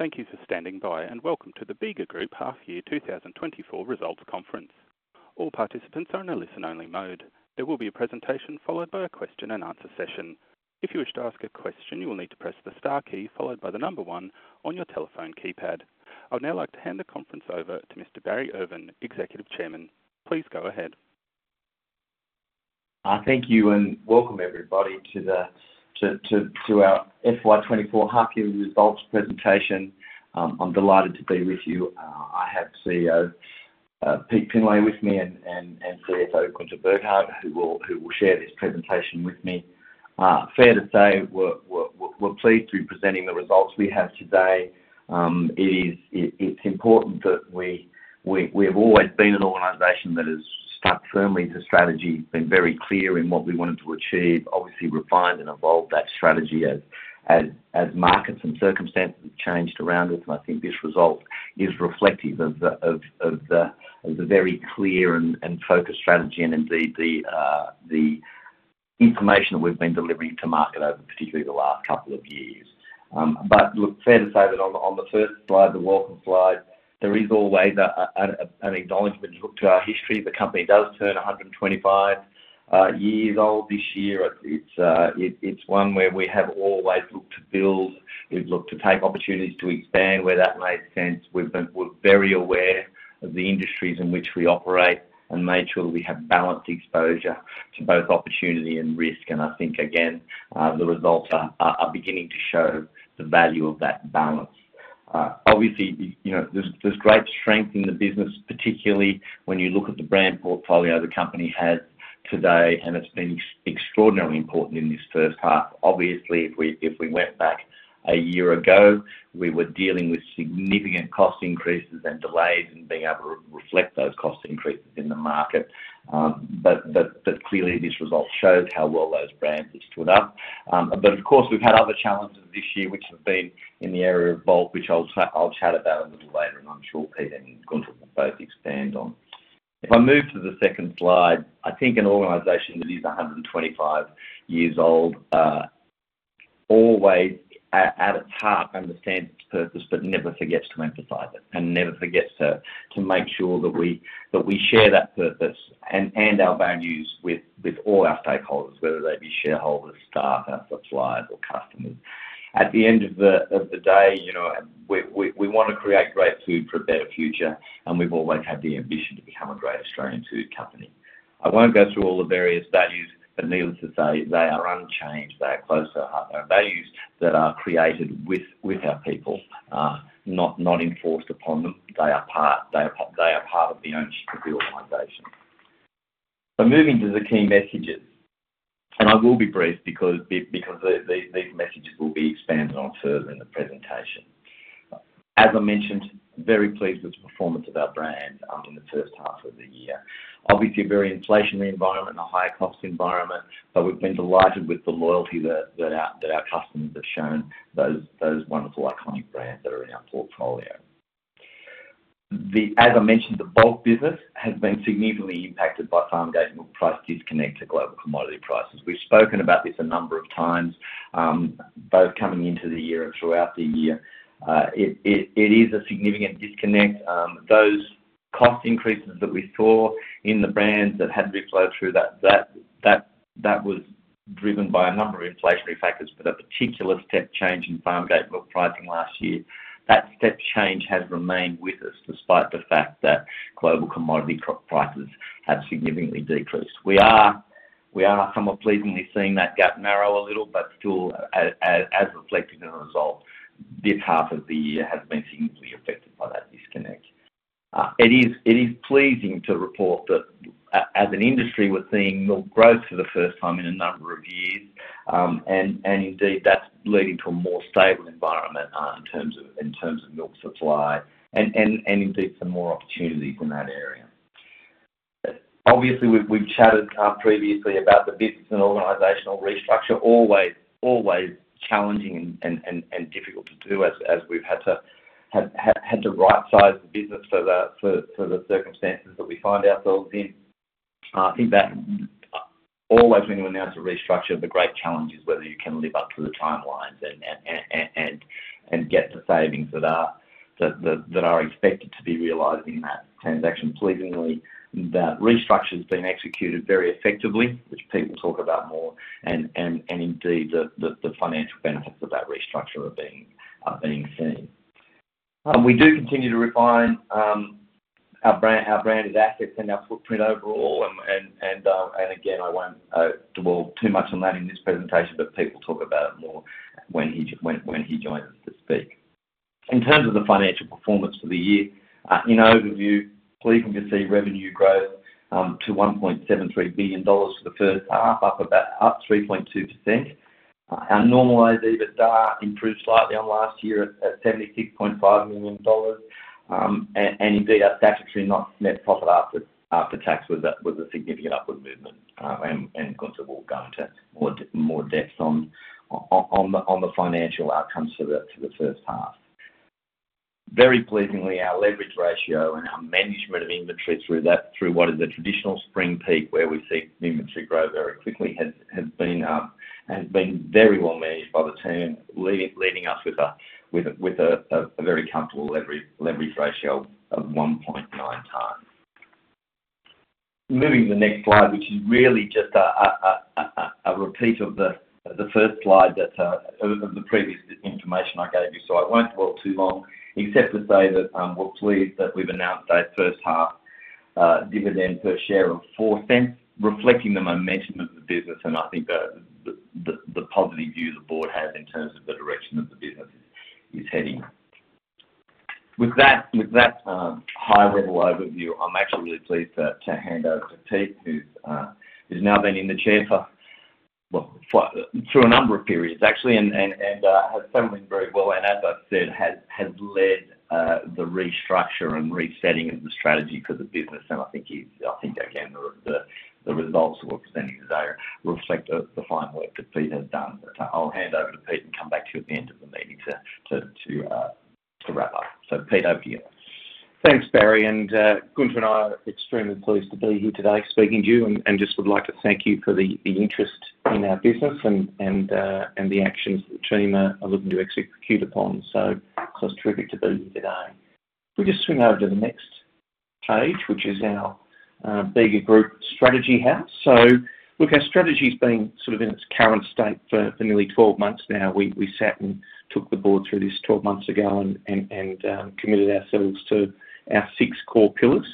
Thank you for standing by, and welcome to the Bega Group Half Year 2024 Results Conference. All participants are in a listen-only mode. There will be a presentation followed by a question and answer session. If you wish to ask a question, you will need to press the star key followed by the number one on your telephone keypad. I would now like to hand the conference over to Mr. Barry Irvin, Executive Chairman. Please go ahead. Thank you, and welcome everybody to our FY 2024 half year results presentation. I'm delighted to be with you. I have CEO Pete Findlay with me and CFO Gunther Burghardt, who will share this presentation with me. Fair to say, we're pleased to be presenting the results we have today. It's important that we have always been an organization that has stuck firmly to strategy, been very clear in what we wanted to achieve, obviously refined and evolved that strategy as markets and circumstances changed around us, and I think this result is reflective of the very clear and focused strategy and indeed the information that we've been delivering to market over particularly the last couple of years. But look, fair to say that on the first slide, the welcome slide, there is always an acknowledgment. You look to our history, the company does turn 125 years old this year. It's one where we have always looked to build, we've looked to take opportunities to expand where that makes sense. We're very aware of the industries in which we operate and made sure we have balanced exposure to both opportunity and risk, and I think again, the results are beginning to show the value of that balance. Obviously, you know, there's great strength in the business, particularly when you look at the brand portfolio the company has today, and it's been extraordinarily important in this first half. Obviously, if we went back a year ago, we were dealing with significant cost increases and delays and being able to reflect those cost increases in the market. But clearly, this result shows how well those brands have stood up. But of course, we've had other challenges this year, which have been in the area of bulk, which I'll chat about a little later, and I'm sure Pete and Gunther will both expand on. If I move to the second slide, I think an organization that is 125 years old, always at its heart understands its purpose, but never forgets to emphasize it, and never forgets to make sure that we share that purpose and our values with all our stakeholders, whether they be shareholders, staff, our suppliers or customers. At the end of the day, you know, we wanna create great food for a better future, and we've always had the ambition to become a great Australian food company. I won't go through all the various values, but needless to say, they are unchanged, they are close to our heart. They are values that are created with our people, not enforced upon them. They are part of the ownership of the organization. So moving to the key messages, and I will be brief because these messages will be expanded on further in the presentation. As I mentioned, very pleased with the performance of our brand in the first half of the year. Obviously, a very inflationary environment and a higher cost environment, but we've been delighted with the loyalty that our customers have shown those wonderful iconic brands that are in our portfolio. As I mentioned, the bulk business has been significantly impacted by farmgate milk price disconnect to global commodity prices. We've spoken about this a number of times, both coming into the year and throughout the year. It is a significant disconnect. Those cost increases that we saw in the brands that had to be flowed through, that was driven by a number of inflationary factors, but a particular step change in farmgate milk pricing last year. That step change has remained with us, despite the fact that global commodity crop prices have significantly decreased. We are somewhat pleasingly seeing that gap narrow a little, but still, as reflected in the results, this half of the year has been significantly affected by that disconnect. It is pleasing to report that as an industry, we're seeing milk growth for the first time in a number of years, and indeed, that's leading to a more stable environment in terms of milk supply and indeed some more opportunities in that area. Obviously, we've chatted previously about the business and organizational restructure, always challenging and difficult to do as we've had to rightsize the business so that for the circumstances that we find ourselves in. I think that always when you announce a restructure, the great challenge is whether you can live up to the timelines and get the savings that are expected to be realized in that transaction. Pleasingly, that restructure has been executed very effectively, which Pete will talk about more, and indeed, the financial benefits of that restructure are being seen. We do continue to refine our brand, our branded assets and our footprint overall, and again, I won't dwell too much on that in this presentation, but Pete will talk about it more when he joins us to speak. In terms of the financial performance for the year, in overview, pleasing to see revenue growth to 1.73 billion dollars for the first half, up about 3.2%. Our normalized EBITDA improved slightly on last year at 76.5 million dollars. And indeed, our statutory net profit after tax was a significant upward movement. And Gunther will go into more depth on the financial outcomes for the first half. Very pleasingly, our leverage ratio and our management of inventory through that, through what is a traditional spring peak, where we see inventory grow very quickly, has been very well managed by the team, leading us with a very comfortable leverage ratio of 1.9 times. Moving to the next slide, which is really just a repeat of the first slide of the previous information I gave you, so I won't dwell too long, except to say that, we're pleased that we've announced our first half dividend per share of 0.04, reflecting the momentum of the business, and I think the positive view the board has in terms of the direction that the business is heading. With that, with that, high-level overview, I'm actually really pleased to hand over to Pete, who's now been in the chair for, well, for through a number of periods actually, and has settled in very well, and as I've said, has led the restructure and resetting of the strategy for the business. And I think, again, the results we're presenting today reflect the fine work that Pete has done. So I'll hand over to Pete and come back to you at the end of the meeting to wrap up. So, Pete, over to you. Thanks, Barry, and Gunther and I are extremely pleased to be here today speaking to you, and just would like to thank you for the interest in our business and the actions that the team are looking to execute upon. So it's terrific to be here today. If we just swing over to the next page, which is our Bega Group strategy house. So look, our strategy's been sort of in its current state for nearly 12 months now. We sat and took the board through this 12 months ago and committed ourselves to our six core pillars.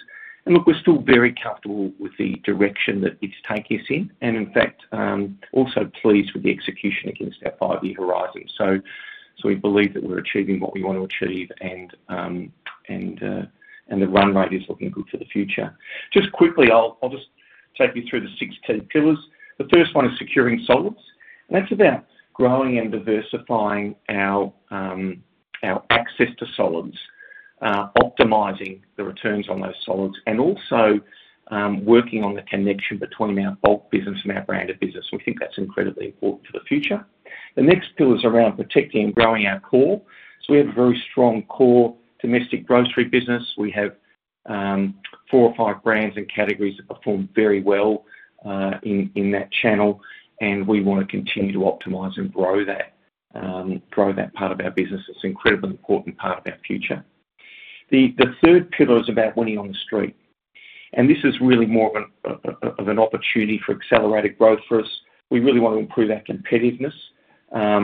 And look, we're still very comfortable with the direction that it's taking us in, and in fact, also pleased with the execution against our 5-year horizon. So we believe that we're achieving what we want to achieve and the run rate is looking good for the future. Just quickly, I'll just take you through the six key pillars. The first one is securing solids, and that's about growing and diversifying our access to solids, optimizing the returns on those solids, and also working on the connection between our bulk business and our branded business. We think that's incredibly important for the future. The next pillar is around protecting and growing our core. So we have a very strong core, domestic grocery business. We have four or five brands and categories that perform very well in that channel, and we wanna continue to optimize and grow that part of our business. It's an incredibly important part of our future. The third pillar is about winning on the street, and this is really more of an opportunity for accelerated growth for us. We really want to improve our competitiveness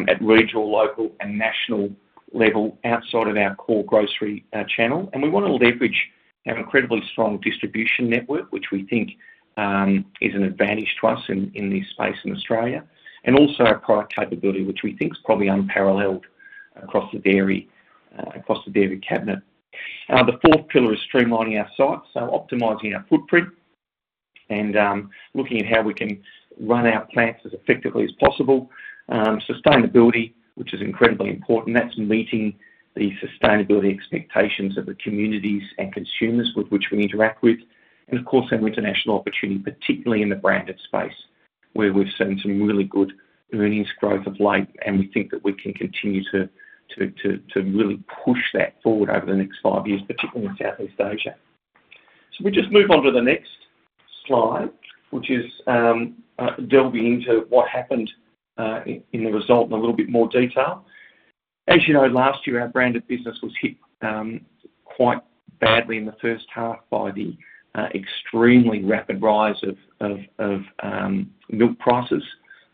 at regional, local, and national level outside of our core grocery channel. And we wanna leverage our incredibly strong distribution network, which we think is an advantage to us in this space in Australia, and also our product capability, which we think is probably unparalleled across the dairy cabinet. The fourth pillar is streamlining our sites, so optimizing our footprint and looking at how we can run our plants as effectively as possible. Sustainability, which is incredibly important, that's meeting the sustainability expectations of the communities and consumers with which we interact with. Of course, our international opportunity, particularly in the branded space, where we've seen some really good earnings growth of late, and we think that we can continue to really push that forward over the next five years, particularly in Southeast Asia. So we just move on to the next slide, which is delving into what happened in the result in a little bit more detail. As you know, last year, our branded business was hit quite badly in the first half by the extremely rapid rise of milk prices,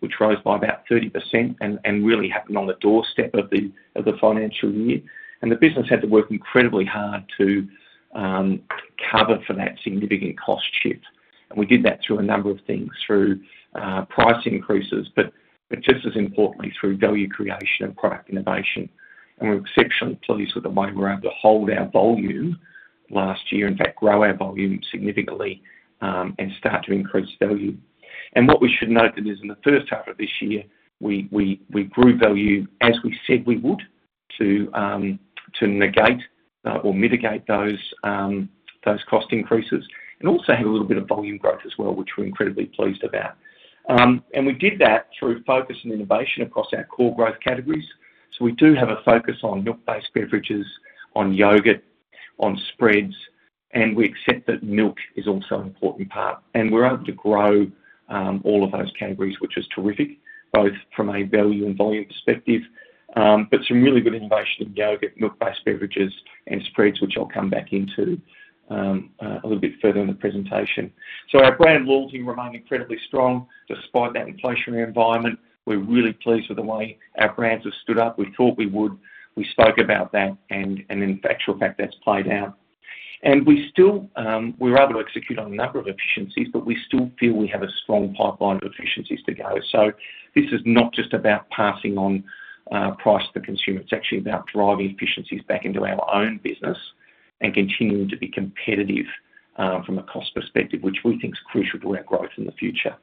which rose by about 30% and really happened on the doorstep of the financial year. The business had to work incredibly hard to cover for that significant cost shift, and we did that through a number of things, through price increases, but just as importantly, through value creation and product innovation. We're exceptionally pleased with the way we were able to hold our volume last year, in fact, grow our volume significantly, and start to increase value. What we should note that is in the first half of this year, we grew value as we said we would, to negate or mitigate those cost increases, and also had a little bit of volume growth as well, which we're incredibly pleased about. We did that through focus and innovation across our core growth categories. So we do have a focus on milk-based beverages, on yogurt, on spreads, and we accept that milk is also an important part. And we're able to grow all of those categories, which is terrific, both from a value and volume perspective. But some really good innovation in yogurt, milk-based beverages, and spreads, which I'll come back into a little bit further in the presentation. So our brand loyalty remained incredibly strong, despite that inflationary environment. We're really pleased with the way our brands have stood up. We thought we would. We spoke about that, and in actual fact, that's played out. And we still we were able to execute on a number of efficiencies, but we still feel we have a strong pipeline of efficiencies to go. So this is not just about passing on price to the consumer, it's actually about driving efficiencies back into our own business and continuing to be competitive from a cost perspective, which we think is crucial to our growth in the future.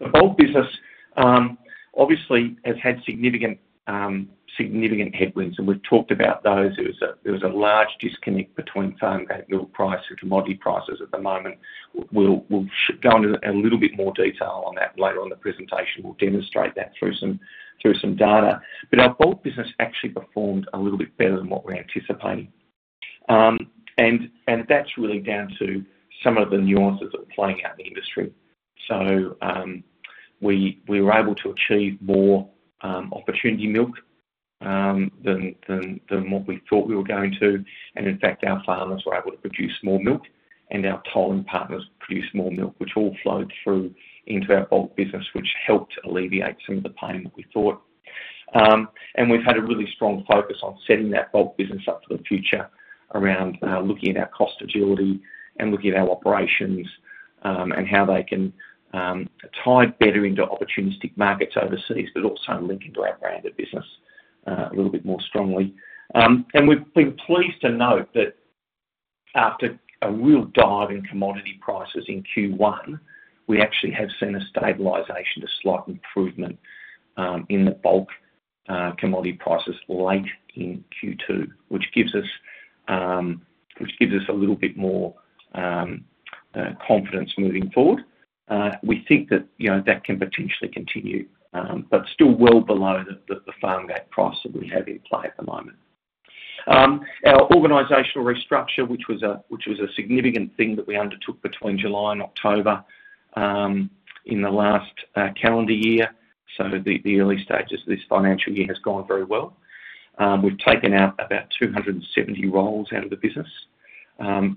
The bulk business obviously has had significant significant headwinds, and we've talked about those. There was a large disconnect between farm milk price or commodity prices at the moment. We'll go into a little bit more detail on that later on in the presentation. We'll demonstrate that through some data. But our bulk business actually performed a little bit better than what we anticipated. And that's really down to some of the nuances that were playing out in the industry. So, we were able to achieve more opportunity milk than what we thought we were going to. And in fact, our farmers were able to produce more milk, and our tolling partners produced more milk, which all flowed through into our bulk business, which helped alleviate some of the pain that we thought. And we've had a really strong focus on setting that bulk business up for the future around looking at our cost agility and looking at our operations, and how they can tie better into opportunistic markets overseas, but also link into our branded business a little bit more strongly. And we've been pleased to note that after a real dive in commodity prices in Q1, we actually have seen a stabilization to slight improvement in the bulk commodity prices late in Q2, which gives us a little bit more confidence moving forward. We think that, you know, that can potentially continue, but still well below the farm gate price that we have in play at the moment. Our organizational restructure, which was a significant thing that we undertook between July and October in the last calendar year. So the early stages of this financial year has gone very well. We've taken out about 270 roles out of the business.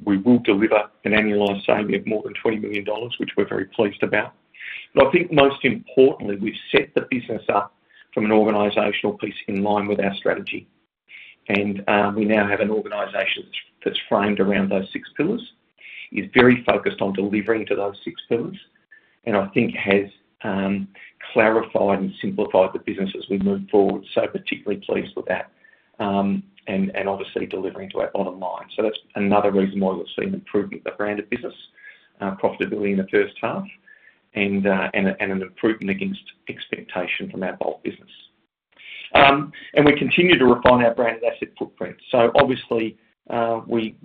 We will deliver an annualized saving of more than 20 million dollars, which we're very pleased about. But I think most importantly, we've set the business up from an organizational piece in line with our strategy. And we now have an organization that's framed around those six pillars. It's very focused on delivering to those six pillars, and I think has clarified and simplified the business as we move forward, so particularly pleased with that. And obviously delivering to our bottom line. So that's another reason why we've seen improvement in the branded business profitability in the first half, and an improvement against expectation from our bulk business. And we continue to refine our branded asset footprint. So obviously, we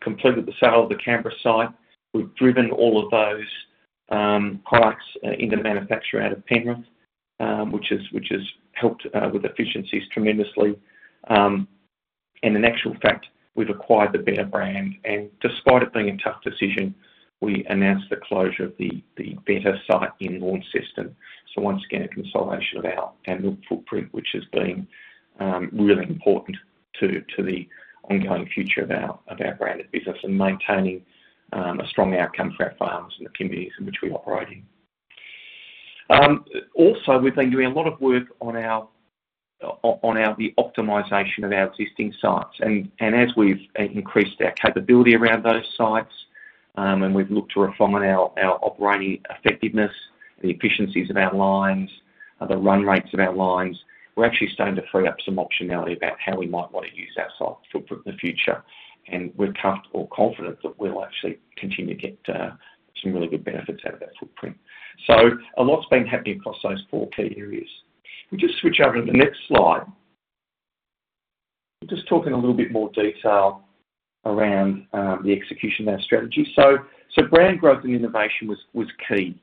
completed the sale of the Canberra site. We've driven all of those products into manufacture out of Penrith, which has helped with efficiencies tremendously. And in actual fact, we've acquired the Betta brand, and despite it being a tough decision, we announced the closure of the Betta site in Launceston. So once again, a consolidation of our annual footprint, which has been really important to the ongoing future of our branded business and maintaining a strong outcome for our farmers and the communities in which we operate in. Also, we've been doing a lot of work on the optimization of our existing sites. As we've increased our capability around those sites, and we've looked to refine our operating effectiveness, the efficiencies of our lines, the run rates of our lines, we're actually starting to free up some optionality about how we might want to use our site footprint in the future. We're comfortable or confident that we'll actually continue to get some really good benefits out of that footprint. A lot's been happening across those four key areas. We just switch over to the next slide. We're just talking a little bit more detail around the execution of our strategy. Brand growth and innovation was key.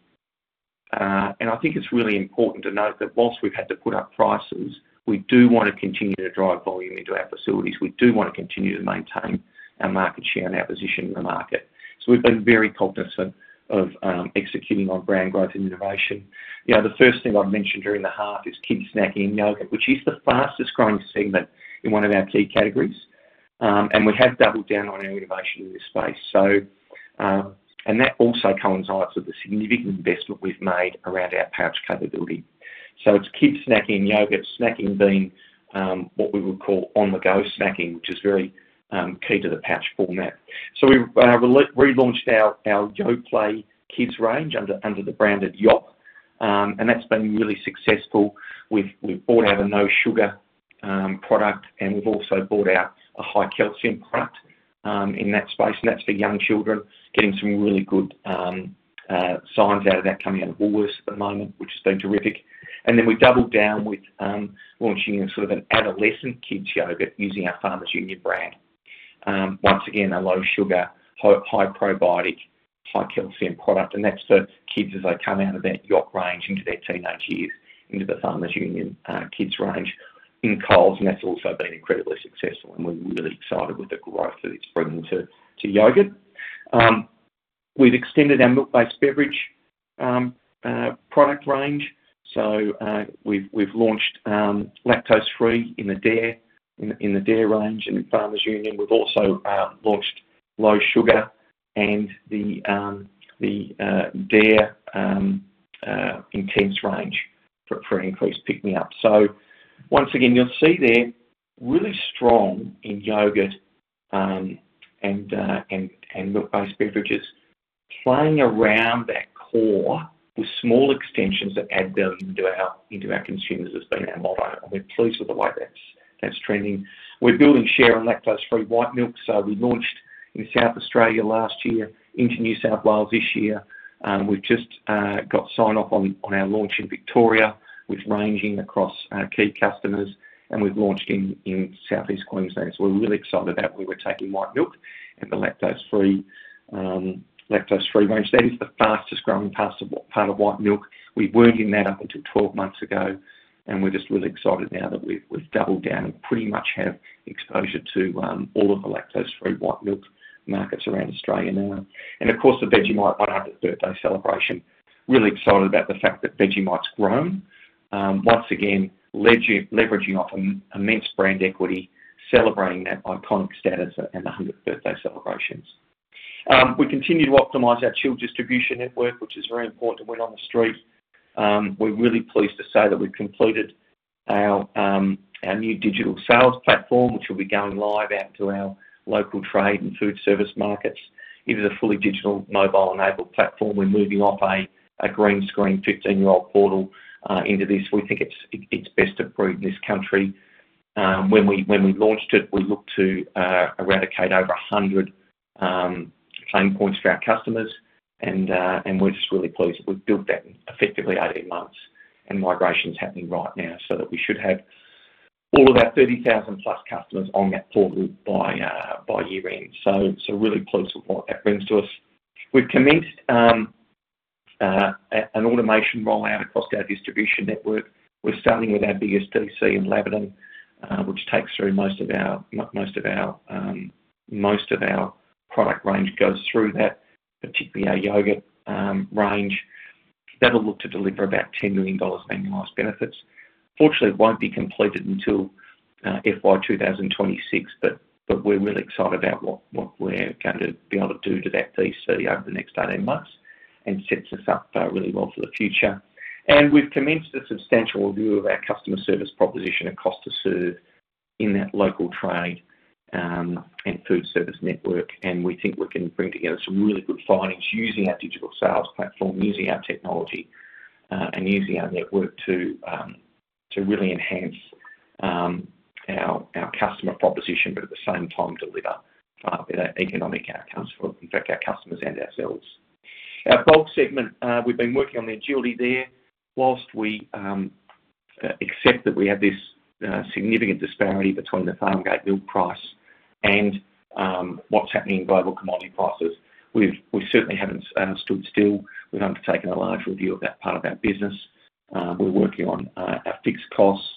I think it's really important to note that whilst we've had to put up prices, we do want to continue to drive volume into our facilities. We do want to continue to maintain our market share and our position in the market. So we've been very cognizant of executing on brand growth and innovation. You know, the first thing I'd mention during the half is kids snacking yogurt, which is the fastest growing segment in one of our key categories. We have doubled down on our innovation in this space. So that also coincides with the significant investment we've made around our pouch capability. So it's kids snacking yogurt, snacking being what we would call on-the-go snacking, which is very key to the pouch format. So we've relaunched our Yoplait Kids range under the brand of Yop. That's been really successful. We've brought out a no sugar product, and we've also brought out a high calcium product in that space, and that's for young children. Getting some really good signs out of that coming out of Woolworths at the moment, which has been terrific. And then we doubled down with launching a sort of an adolescent kids yogurt using our Farmers Union brand. Once again, a low sugar, high probiotic, high calcium product, and that's for kids as they come out of that Yop range into their teenage years, into the Farmers Union kids range in Coles, and that's also been incredibly successful, and we're really excited with the growth that it's bringing to yogurt. We've extended our milk-based beverage product range. So, we've launched lactose-free in the Dare, in the Dare range and in Farmers Union. We've also launched low sugar and the Dare Intense range for increased pick-me-up. So once again, you'll see they're really strong in yogurt and milk-based beverages. Playing around that core with small extensions that add value into our consumers has been our motto, and we're pleased with the way that's trending. We're building share on lactose-free white milk, so we launched in South Australia last year into New South Wales this year. We've just got sign off on our launch in Victoria, with ranging across key customers, and we've launched in Southeast Queensland. So we're really excited about where we're taking white milk. The lactose-free range. That is the fastest-growing part of white milk. We weren't in that up until 12 months ago, and we're just really excited now that we've doubled down and pretty much have exposure to all of the lactose-free white milk markets around Australia now. And, of course, the Vegemite 100th birthday celebration. Really excited about the fact that Vegemite's grown. Once again, leveraging off immense brand equity, celebrating that iconic status and the 100th birthday celebrations. We continue to optimize our chilled distribution network, which is very important to win on the street. We're really pleased to say that we've completed our new digital sales platform, which will be going live out to our local trade and food service markets. It is a fully digital, mobile-enabled platform. We're moving off a green screen, 15-year-old portal into this. We think it's best of breed in this country. When we launched it, we looked to eradicate over 100 pain points for our customers, and we're just really pleased that we've built that in effectively 18 months, and migration's happening right now, so that we should have all of our 30,000 plus customers on that portal by year-end. So really pleased with what that brings to us. We've commenced an automation rollout across our distribution network. We're starting with our biggest DC in Laverton, which takes through most of our product range goes through that, particularly our yogurt range. That'll look to deliver about 10 million dollars in annualized benefits. Fortunately, it won't be completed until FY 2026, but we're really excited about what we're going to be able to do to that DC over the next 18 months, and sets us up really well for the future. We've commenced a substantial review of our customer service proposition and cost to serve in that local trade and food service network, and we think we can bring together some really good findings using our digital sales platform, using our technology and using our network to really enhance our customer proposition, but at the same time, deliver better economic outcomes for, in fact, our customers and ourselves. Our bulk segment, we've been working on the agility there. While we accept that we have this significant disparity between the farmgate milk price and what's happening in global commodity prices, we've certainly haven't stood still. We've undertaken a large review of that part of our business. We're working on our fixed costs.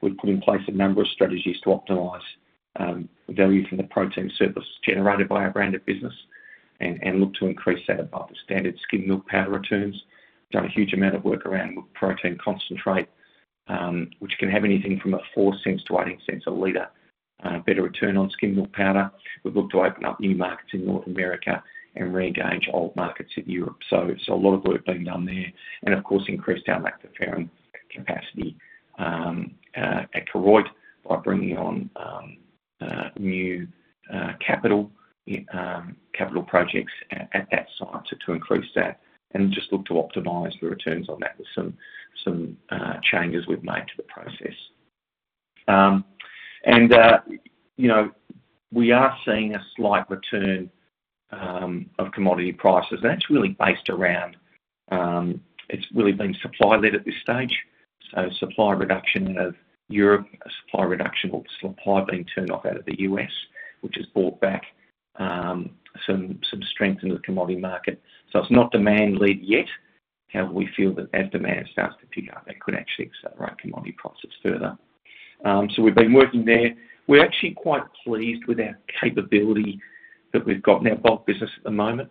We've put in place a number of strategies to optimize value from the protein surplus generated by our branded business, and look to increase that above the standard skim milk powder returns. Done a huge amount of work around milk protein concentrate, which can have anything from AUD 0.04-AUD 0.18 a liter better return on skim milk powder. We've looked to open up new markets in North America and re-engage old markets in Europe. So a lot of work being done there. And of course, increased our lactoferrin capacity at Koroit, by bringing on new capital in capital projects at that site to increase that, and just look to optimize the returns on that with some changes we've made to the process. And, you know, we are seeing a slight return of commodity prices, and that's really based around. It's really been supply-led at this stage. So supply reduction of Europe, a supply reduction, or supply being turned off out of the U.S., which has brought back some strength into the commodity market. So it's not demand-led yet, however, we feel that as demand starts to pick up, that could actually accelerate commodity prices further. So we've been working there. We're actually quite pleased with our capability that we've got in our bulk business at the moment.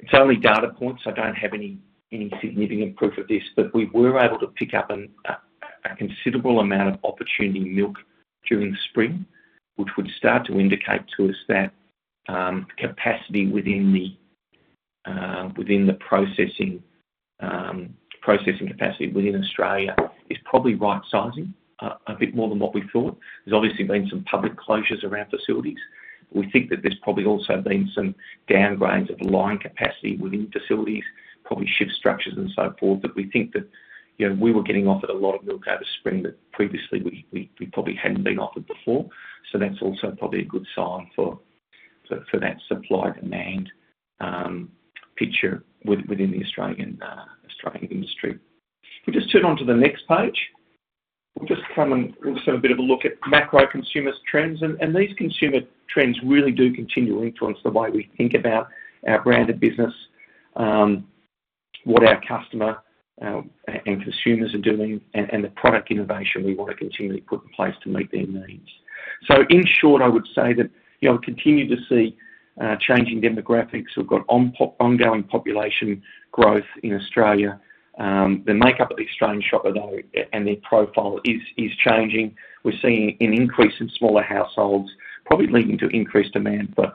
It's only data points. I don't have any significant proof of this, but we were able to pick up a considerable amount of opportunity milk during spring, which would start to indicate to us that capacity within the processing capacity within Australia is probably right-sizing a bit more than what we thought. There's obviously been some public closures around facilities. We think that there's probably also been some downgrades of line capacity within facilities, probably shift structures and so forth. But we think that, you know, we were getting offered a lot of milk over spring that previously we probably hadn't been offered before. So that's also probably a good sign for that supply-demand picture within the Australian industry. We just turn onto the next page. We'll just come and also have a bit of a look at macro consumer trends. And these consumer trends really do continue to influence the way we think about our branded business, what our customer and consumers are doing, and the product innovation we want to continually put in place to meet their needs. So in short, I would say that, you know, we continue to see changing demographics. We've got ongoing population growth in Australia. The makeup of the Australian shopper, though, and their profile is changing. We're seeing an increase in smaller households, probably leading to increased demand for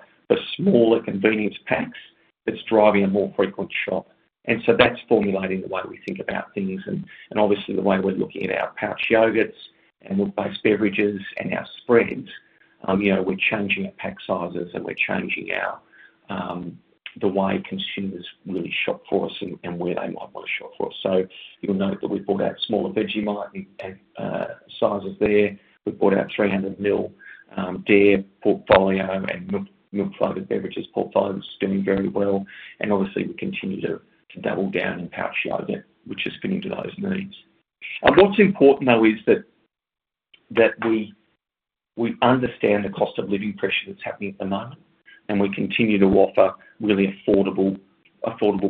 smaller convenience packs that's driving a more frequent shop. That's formulating the way we think about things and obviously the way we're looking at our pouch yogurts and milk-based beverages and our spreads. You know, we're changing our pack sizes, and we're changing the way consumers really shop for us and where they might want to shop for us. You'll note that we've brought out smaller Vegemite sizes there. We've brought out 300 ml Dare portfolio and milk-flavored beverages portfolios is doing very well. And obviously, we continue to double down in pouch yogurt, which is fitting to those needs. And what's important, though, is that we understand the cost of living pressure that's happening at the moment, and we continue to offer really affordable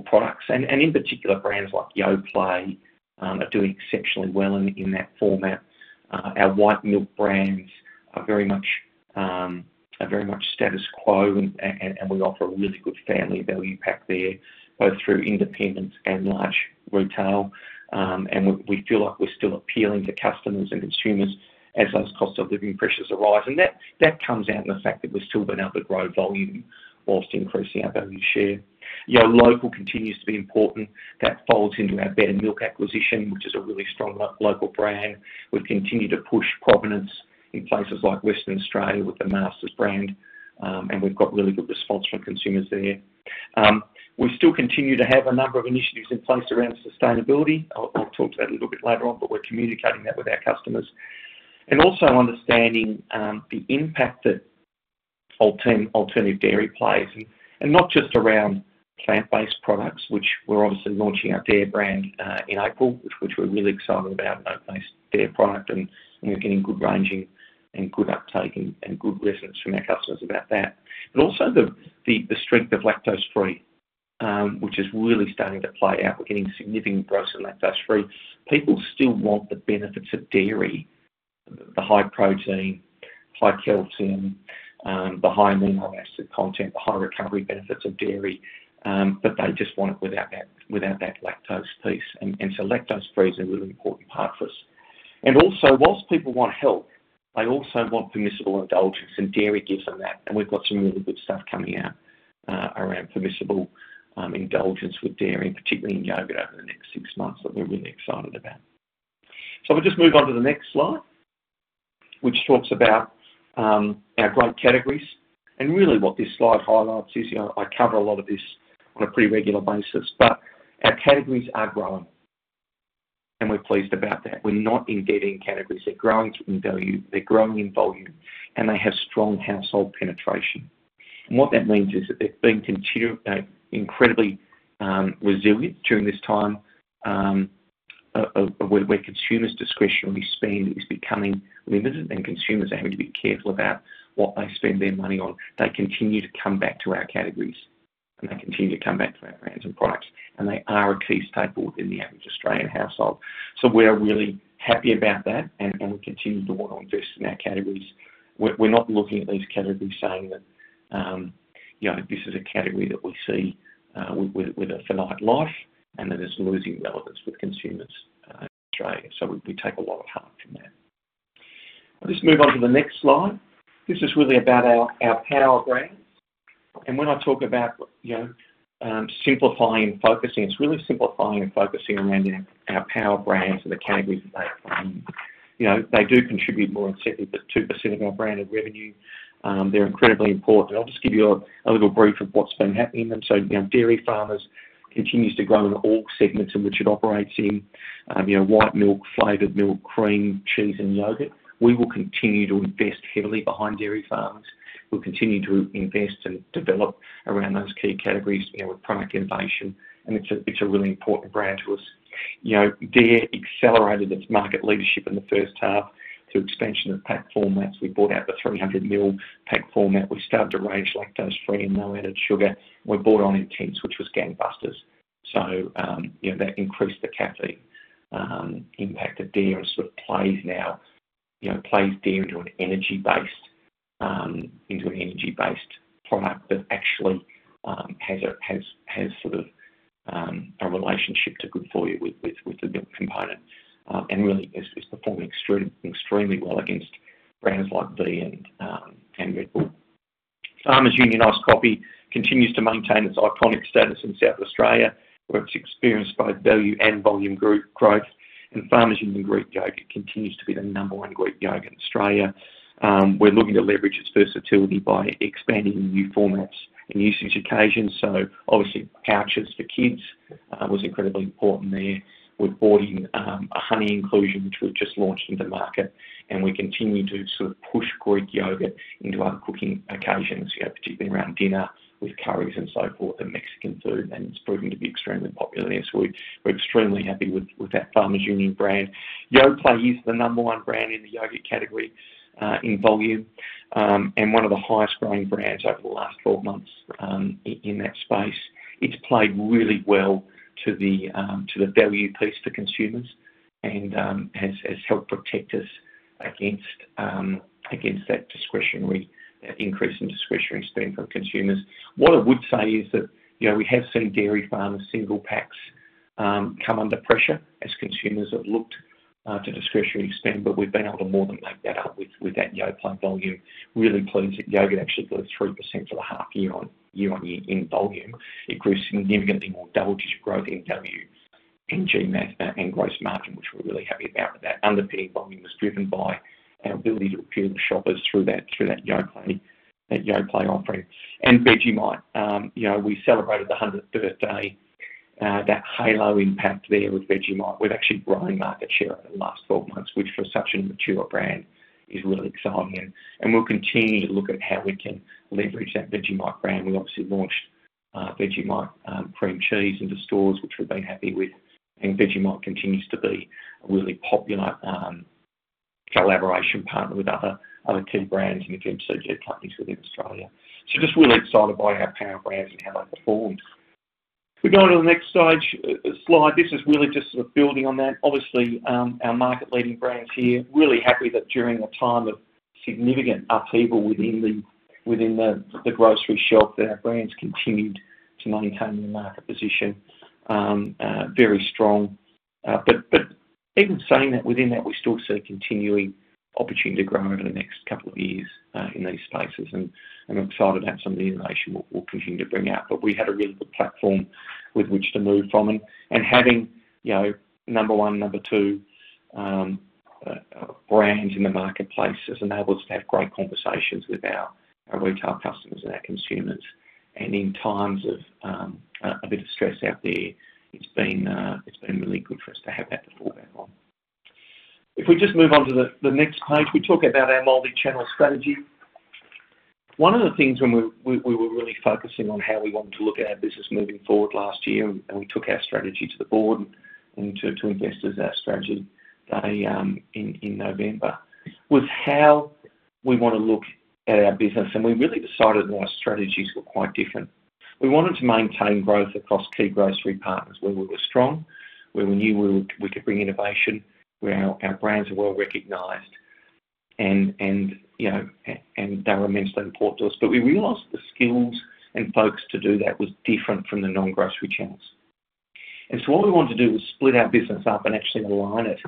products. And in particular, brands like Yoplait are doing exceptionally well in that format. Our White Milk brands are very much status quo, and we offer a really good family value pack there, both through independents and large retail. We feel like we're still appealing to customers and consumers as those cost of living pressures arise. That comes out in the fact that we've still been able to grow volume while increasing our value share. Go Local continues to be important. That folds into our Betta Milk acquisition, which is a really strong local brand. We've continued to push provenance in places like Western Australia with the Masters brand, and we've got really good response from consumers there. We still continue to have a number of initiatives in place around sustainability. I'll talk to that a little bit later on, but we're communicating that with our customers. Also understanding the impact that alternative dairy plays, and not just around plant-based products, which we're obviously launching our Dare brand in April, which we're really excited about, an oat-based Dare product, and we're getting good ranging and good uptake and good reference from our customers about that. But also the strength of lactose-free, which is really starting to play out. We're getting significant growth in lactose-free. People still want the benefits of dairy, the high protein, high calcium, the high amino acid content, the high recovery benefits of dairy, but they just want it without that lactose piece. And so lactose-free is a really important part for us. And also, while people want health, they also want permissible indulgence, and dairy gives them that, and we've got some really good stuff coming out around permissible indulgence with dairy, particularly in yogurt, over the next six months that we're really excited about. So we'll just move on to the next slide, which talks about our growth categories. And really, what this slide highlights is, you know, I cover a lot of this on a pretty regular basis, but our categories are growing, and we're pleased about that. We're not in dead-ending categories. They're growing in value, they're growing in volume, and they have strong household penetration. And what that means is that they've been continuing incredibly resilient during this time, where consumers' discretionary spend is becoming limited and consumers are having to be careful about what they spend their money on. They continue to come back to our categories, and they continue to come back to our brands and products, and they are a key staple in the average Australian household. So we're really happy about that, and we continue to want to invest in our categories. We're not looking at these categories saying that, you know, this is a category that we see with a finite life and that it's losing relevance with consumers in Australia. So we take a lot of heart from that. I'll just move on to the next slide. This is really about our power brands. When I talk about, you know, simplifying, focusing, it's really simplifying and focusing around our power brands and the categories that they play in. You know, they do contribute more than 72% of our branded revenue. They're incredibly important. I'll just give you a little brief of what's been happening in them. So, you know, Dairy Farmers continues to grow in all segments in which it operates in, you know, white milk, flavored milk, cream, cheese, and yogurt. We will continue to invest heavily behind Dairy Farmers. We'll continue to invest and develop around those key categories, you know, with product innovation, and it's a really important brand to us. You know, Dare accelerated its market leadership in the first half through expansion of pack formats. We brought out the 300 ml pack format. We've started to range lactose-free and no added sugar. We brought on Intense, which was gangbusters. So, you know, that increased the category impact of Dare and sort of plays now, you know, plays Dare into an energy-based product that actually has sort of a relationship to Good For You with the milk component. And really is performing extremely well against brands like V and Red Bull. Farmers Union Iced Coffee continues to maintain its iconic status in South Australia, where it's experienced both value and volume group growth, and Farmers Union Greek Yoghurt continues to be the number one Greek yogurt in Australia. We're looking to leverage its versatility by expanding new formats and usage occasions. So obviously, pouches for kids was incredibly important there. We've brought in a honey inclusion, which we've just launched into market, and we continue to sort of push Greek yogurt into other cooking occasions, you know, particularly around dinner with curries and so forth, and Mexican food, and it's proving to be extremely popular there. So we're extremely happy with that Farmers Union brand. Yoplait is the number one brand in the yogurt category in volume, and one of the highest growing brands over the last 12 months in that space. It's played really well to the value piece for consumers and has helped protect us against that discretionary increase in discretionary spend for consumers. What I would say is that, you know, we have seen Dairy Farmers' single packs come under pressure as consumers have looked to discretionary spend, but we've been able to more than make that up with that Yoplait volume. Really pleased that yogurt actually grew 3% for the half year year-on-year in volume. It grew significantly more, double-digit growth in value, in GM dollars, and gross margin, which we're really happy about, with that underpinning volume was driven by our ability to appeal to shoppers through that Yoplait offering. And Vegemite, you know, we celebrated the 100th birthday. That halo impact there with Vegemite, we've actually grown market share over the last 12 months, which for such a mature brand, is really exciting. And we'll continue to look at how we can leverage that Vegemite brand. We obviously launched Vegemite cream cheese into stores, which we've been happy with. Vegemite continues to be a really popular collaboration partner with other, other key brands and again, CPG companies within Australia. Just really excited by our power brands and how they've performed. If we go on to the next slide, slide, this is really just sort of building on that. Obviously, our market-leading brands here, really happy that during a time of significant upheaval within the, within the, the grocery shelf, that our brands continued to maintain their market position, very strong. But, but even saying that, within that, we still see a continuing opportunity to grow over the next couple of years, in these spaces, and, and I'm excited to have some of the innovation we'll, we'll continue to bring out. But we had a really good platform with which to move from, and having, you know, number one, number two brands in the marketplace has enabled us to have great conversations with our retail customers and our consumers. And in times of a bit of stress out there, it's been, it's been really good for us to have that to fall back on. If we just move on to the next page, we talk about our multi-channel strategy. One of the things when we were really focusing on how we wanted to look at our business moving forward last year, and we took our strategy to the board and to investors at our strategy day in November was how we want to look at our business. And we really decided that our strategies were quite different. We wanted to maintain growth across key grocery partners where we were strong, where we knew we could bring innovation, where our brands are well-recognized, and, you know, and they were immensely important to us. But we realized the skills and focus to do that was different from the non-grocery channels. And so what we wanted to do was split our business up and actually align it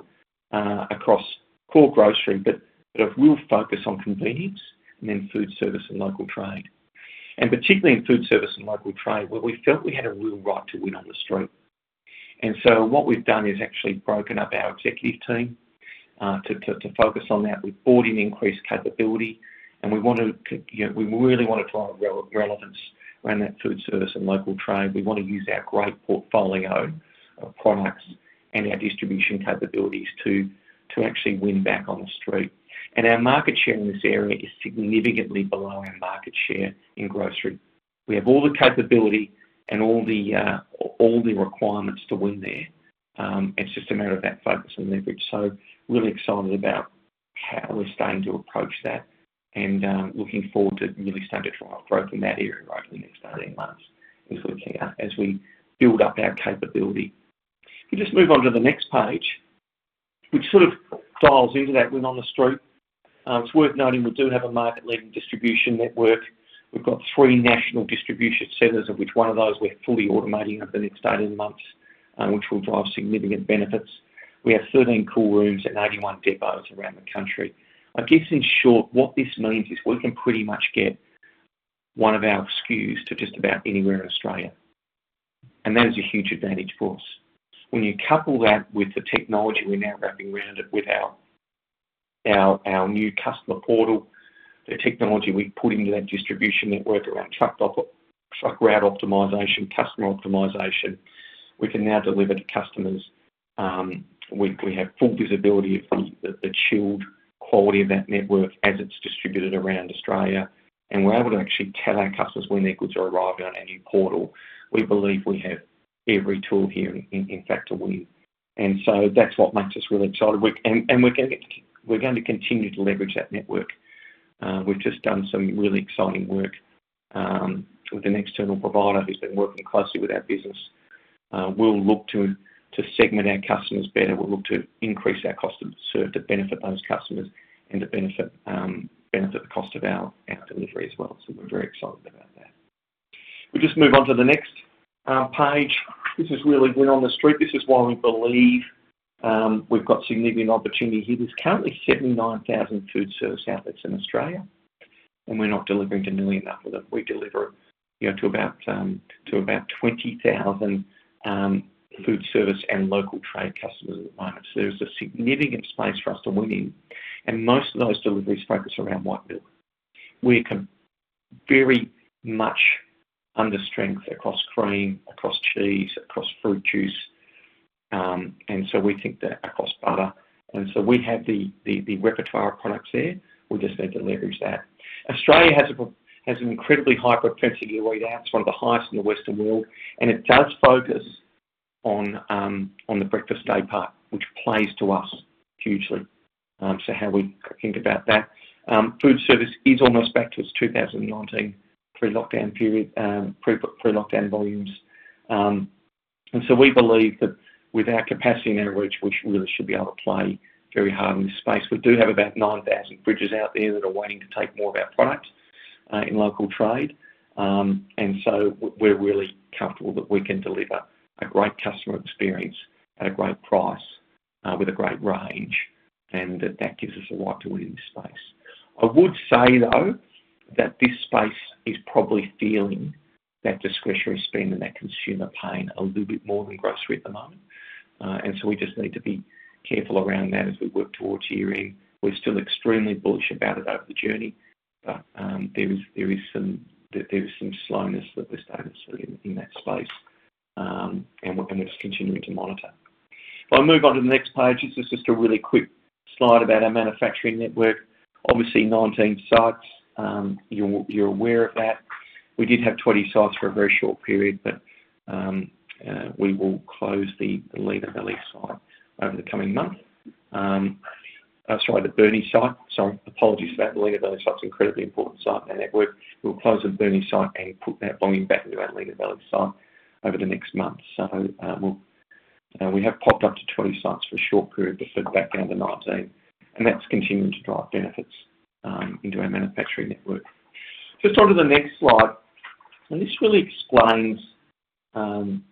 across core grocery, but a real focus on convenience, and then food service and local trade. And particularly in food service and local trade, where we felt we had a real right to win on the street. And so what we've done is actually broken up our executive team to focus on that. We've brought in increased capability, and we want to you know, we really want to drive relevance around that food service and local trade. We wanna use our great portfolio of products and our distribution capabilities to, to actually win back on the street. And our market share in this area is significantly below our market share in grocery. We have all the capability and all the, all the requirements to win there. It's just a matter of that focus and leverage. So really excited about how we're starting to approach that, and, looking forward to really starting to drive growth in that area over the next 18 months as we, as we build up our capability. If you just move on to the next page, which sort of dials into that win on the street. It's worth noting, we do have a market-leading distribution network. We've got 3 national distribution centers, of which one of those we're fully automating over the next 18 months, which will drive significant benefits. We have 13 cool rooms and 81 depots around the country. I guess, in short, what this means is, we can pretty much get one of our SKUs to just about anywhere in Australia, and that is a huge advantage for us. When you couple that with the technology we're now wrapping around it with our new customer portal, the technology we put into that distribution network, around truck route optimization, customer optimization, we can now deliver to customers, we have full visibility of the chilled quality of that network as it's distributed around Australia, and we're able to actually tell our customers when their goods are arriving on our new portal. We believe we have every tool here, in fact, to win. And so that's what makes us really excited. And we're going to continue to leverage that network. We've just done some really exciting work with an external provider who's been working closely with our business. We'll look to segment our customers better. We'll look to increase our cost to serve, to benefit those customers, and to benefit, benefit the cost of our delivery as well. So we're very excited about that. We just move on to the next page. This is really win on the street. This is why we believe we've got significant opportunity here. There's currently 79,000 food service outlets in Australia, and we're not delivering to nearly enough of them. We deliver, you know, to about to about 20,000 food service and local trade customers at the moment. So there's a significant space for us to win in, and most of those deliveries focus around white milk. We're very much under strength, across cream, across cheese, across fruit juice, and so we think that... across butter. And so we have the repertoire of products there, we just need to leverage that. Australia has an incredibly high per capita eat out. It's one of the highest in the Western world, and it does focus on the breakfast day part, which plays to us hugely, so how we think about that. Food service is almost back to its 2019 pre-lockdown period, pre-lockdown volumes. And so we believe that with our capacity and our reach, we really should be able to play very hard in this space. We do have about 9,000 fridges out there that are waiting to take more of our product in local trade. We're really comfortable that we can deliver a great customer experience at a great price, with a great range, and that gives us a right to win in this space. I would say, though, that this space is probably feeling that discretionary spend and that consumer pain a little bit more than grocery at the moment. We just need to be careful around that as we work towards year-end. We're still extremely bullish about it over the journey, but there is some slowness that we're starting to see in that space, and we're just continuing to monitor. If I move on to the next page, this is just a really quick slide about our manufacturing network. Obviously, 19 sites, you're aware of that. We did have 20 sites for a very short period, but we will close the Lenah Valley site over the coming month. Sorry, the Burnie site. Sorry, apologies for that. The Lenah Valley site is an incredibly important site in our network. We'll close the Burnie site and put that volume back into our Lenah Valley site over the next month. So, we'll, we have popped up to 20 sites for a short period, but fell back down to 19, and that's continuing to drive benefits into our manufacturing network. Just onto the next slide, and this really explains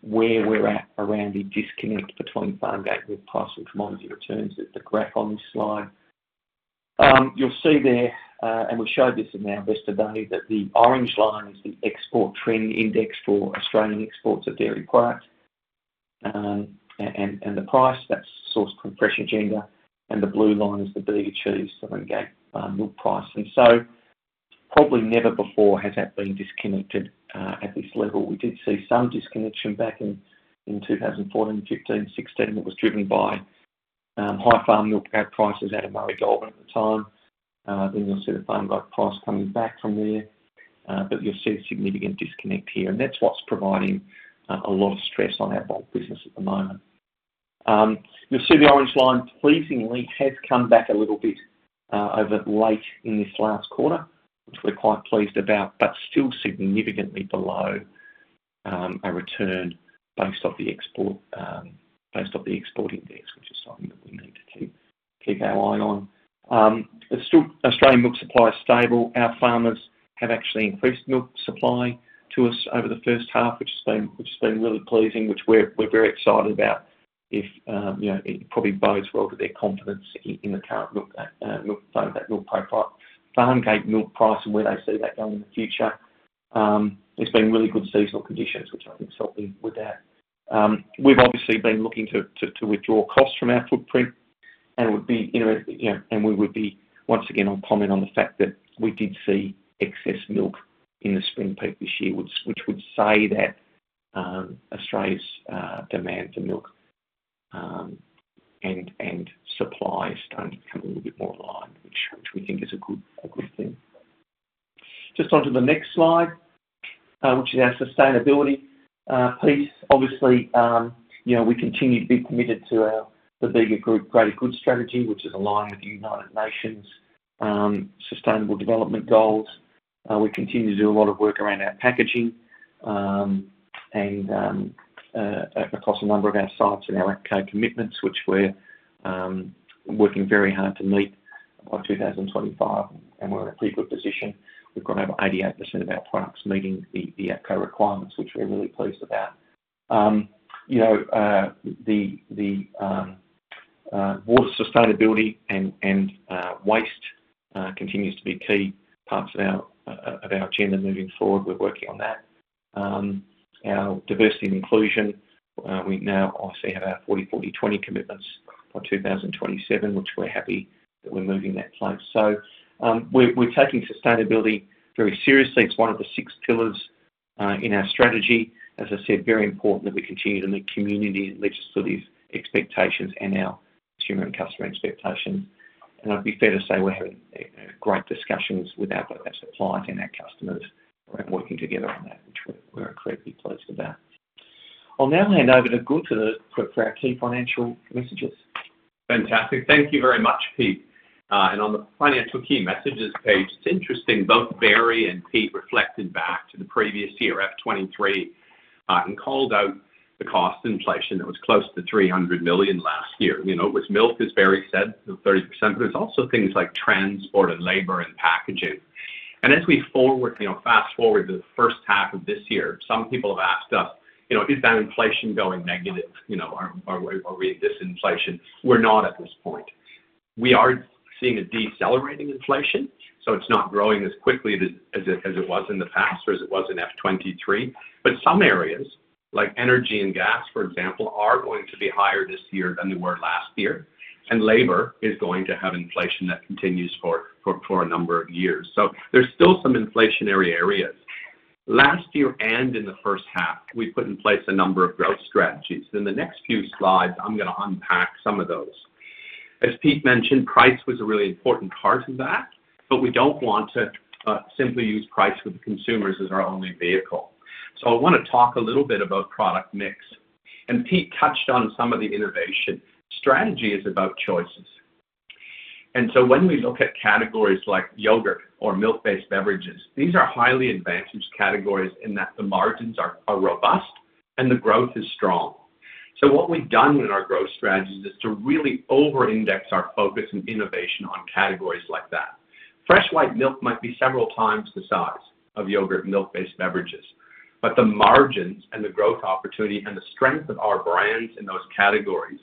where we're at around the disconnect between farmgate milk price and commodity returns at the graph on this slide. You'll see there, and we showed this in our investor day, that the orange line is the export trend index for Australian exports of dairy product. And the price, that's sourced from Fresh Agenda, and the blue line is the Bega Cheese farmgate milk price. And so, probably never before has that been disconnected at this level. We did see some disconnection back in 2014, 2015, 2016. It was driven by high farm milk output prices out of Murray Goulburn at the time. Then you'll see the farmgate price coming back from there, but you'll see a significant disconnect here, and that's what's providing a lot of stress on our bulk business at the moment. You'll see the orange line pleasingly has come back a little bit, over late in this last quarter, which we're quite pleased about, but still significantly below a return based off the export index, which is something that we need to keep our eye on. But still, Australian milk supply is stable. Our farmers have actually increased milk supply to us over the first half, which has been really pleasing, which we're very excited about. You know, it probably bodes well to their confidence in the current milk Farmgate milk price and where they see that going in the future. It's been really good seasonal conditions, which I think has helped me with that. We've obviously been looking to withdraw costs from our footprint, and we would be... Once again, I'll comment on the fact that we did see excess milk in the Spring peak this year, which would say that Australia's demand for milk and supply is starting to become a little bit more aligned, which we think is a good thing. Just onto the next slide, which is our sustainability piece. Obviously, we continue to be committed to our the Bega Group Greater Good strategy, which is aligned with the United Nations Sustainable Development Goals. We continue to do a lot of work around our packaging, and across a number of our sites and our core commitments, which we're working very hard to meet by 2025, and we're in a pretty good position. We've got over 88% of our products meeting the core requirements, which we're really pleased about. You know, the water sustainability and waste continues to be key parts of our agenda moving forward. We're working on that. Our diversity and inclusion, we now obviously have our 40/40/20 commitments for 2027, which we're happy that we're moving that close. So, we're taking sustainability very seriously. It's one of the six pillars in our strategy. As I said, very important that we continue to meet community and legislative expectations and our consumer and customer expectations. I'd be fair to say, we're having great discussions with our suppliers and our customers, and working together on that, which we're incredibly pleased with that. I'll now hand over to Gunther for our key financial messages. Fantastic. Thank you very much, Pete. And on the financial key messages page, it's interesting, both Barry and Pete reflected back to the previous year, F 2023, and called out the cost inflation that was close to 300 million last year. You know, it was milk, as Barry said, 30%, but it's also things like transport and labor and packaging. As we forward, you know, fast-forward to the first half of this year, some people have asked us: "You know, is that inflation going negative? You know, are we in disinflation?" We're not at this point. We are seeing a decelerating inflation, so it's not growing as quickly as it was in the past or as it was in F 2023. But some areas, like energy and gas, for example, are going to be higher this year than they were last year, and labor is going to have inflation that continues for a number of years. So there's still some inflationary areas. Last year and in the first half, we put in place a number of growth strategies. In the next few slides, I'm gonna unpack some of those. As Pete mentioned, price was a really important part of that, but we don't want to simply use price with consumers as our only vehicle. So I wanna talk a little bit about product mix, and Pete touched on some of the innovation. Strategy is about choices, and so when we look at categories like yogurt or milk-based beverages, these are highly advantaged categories in that the margins are robust and the growth is strong. So what we've done in our growth strategies is to really over-index our focus and innovation on categories like that. Fresh white milk might be several times the size of yogurt and milk-based beverages, but the margins and the growth opportunity and the strength of our brands in those categories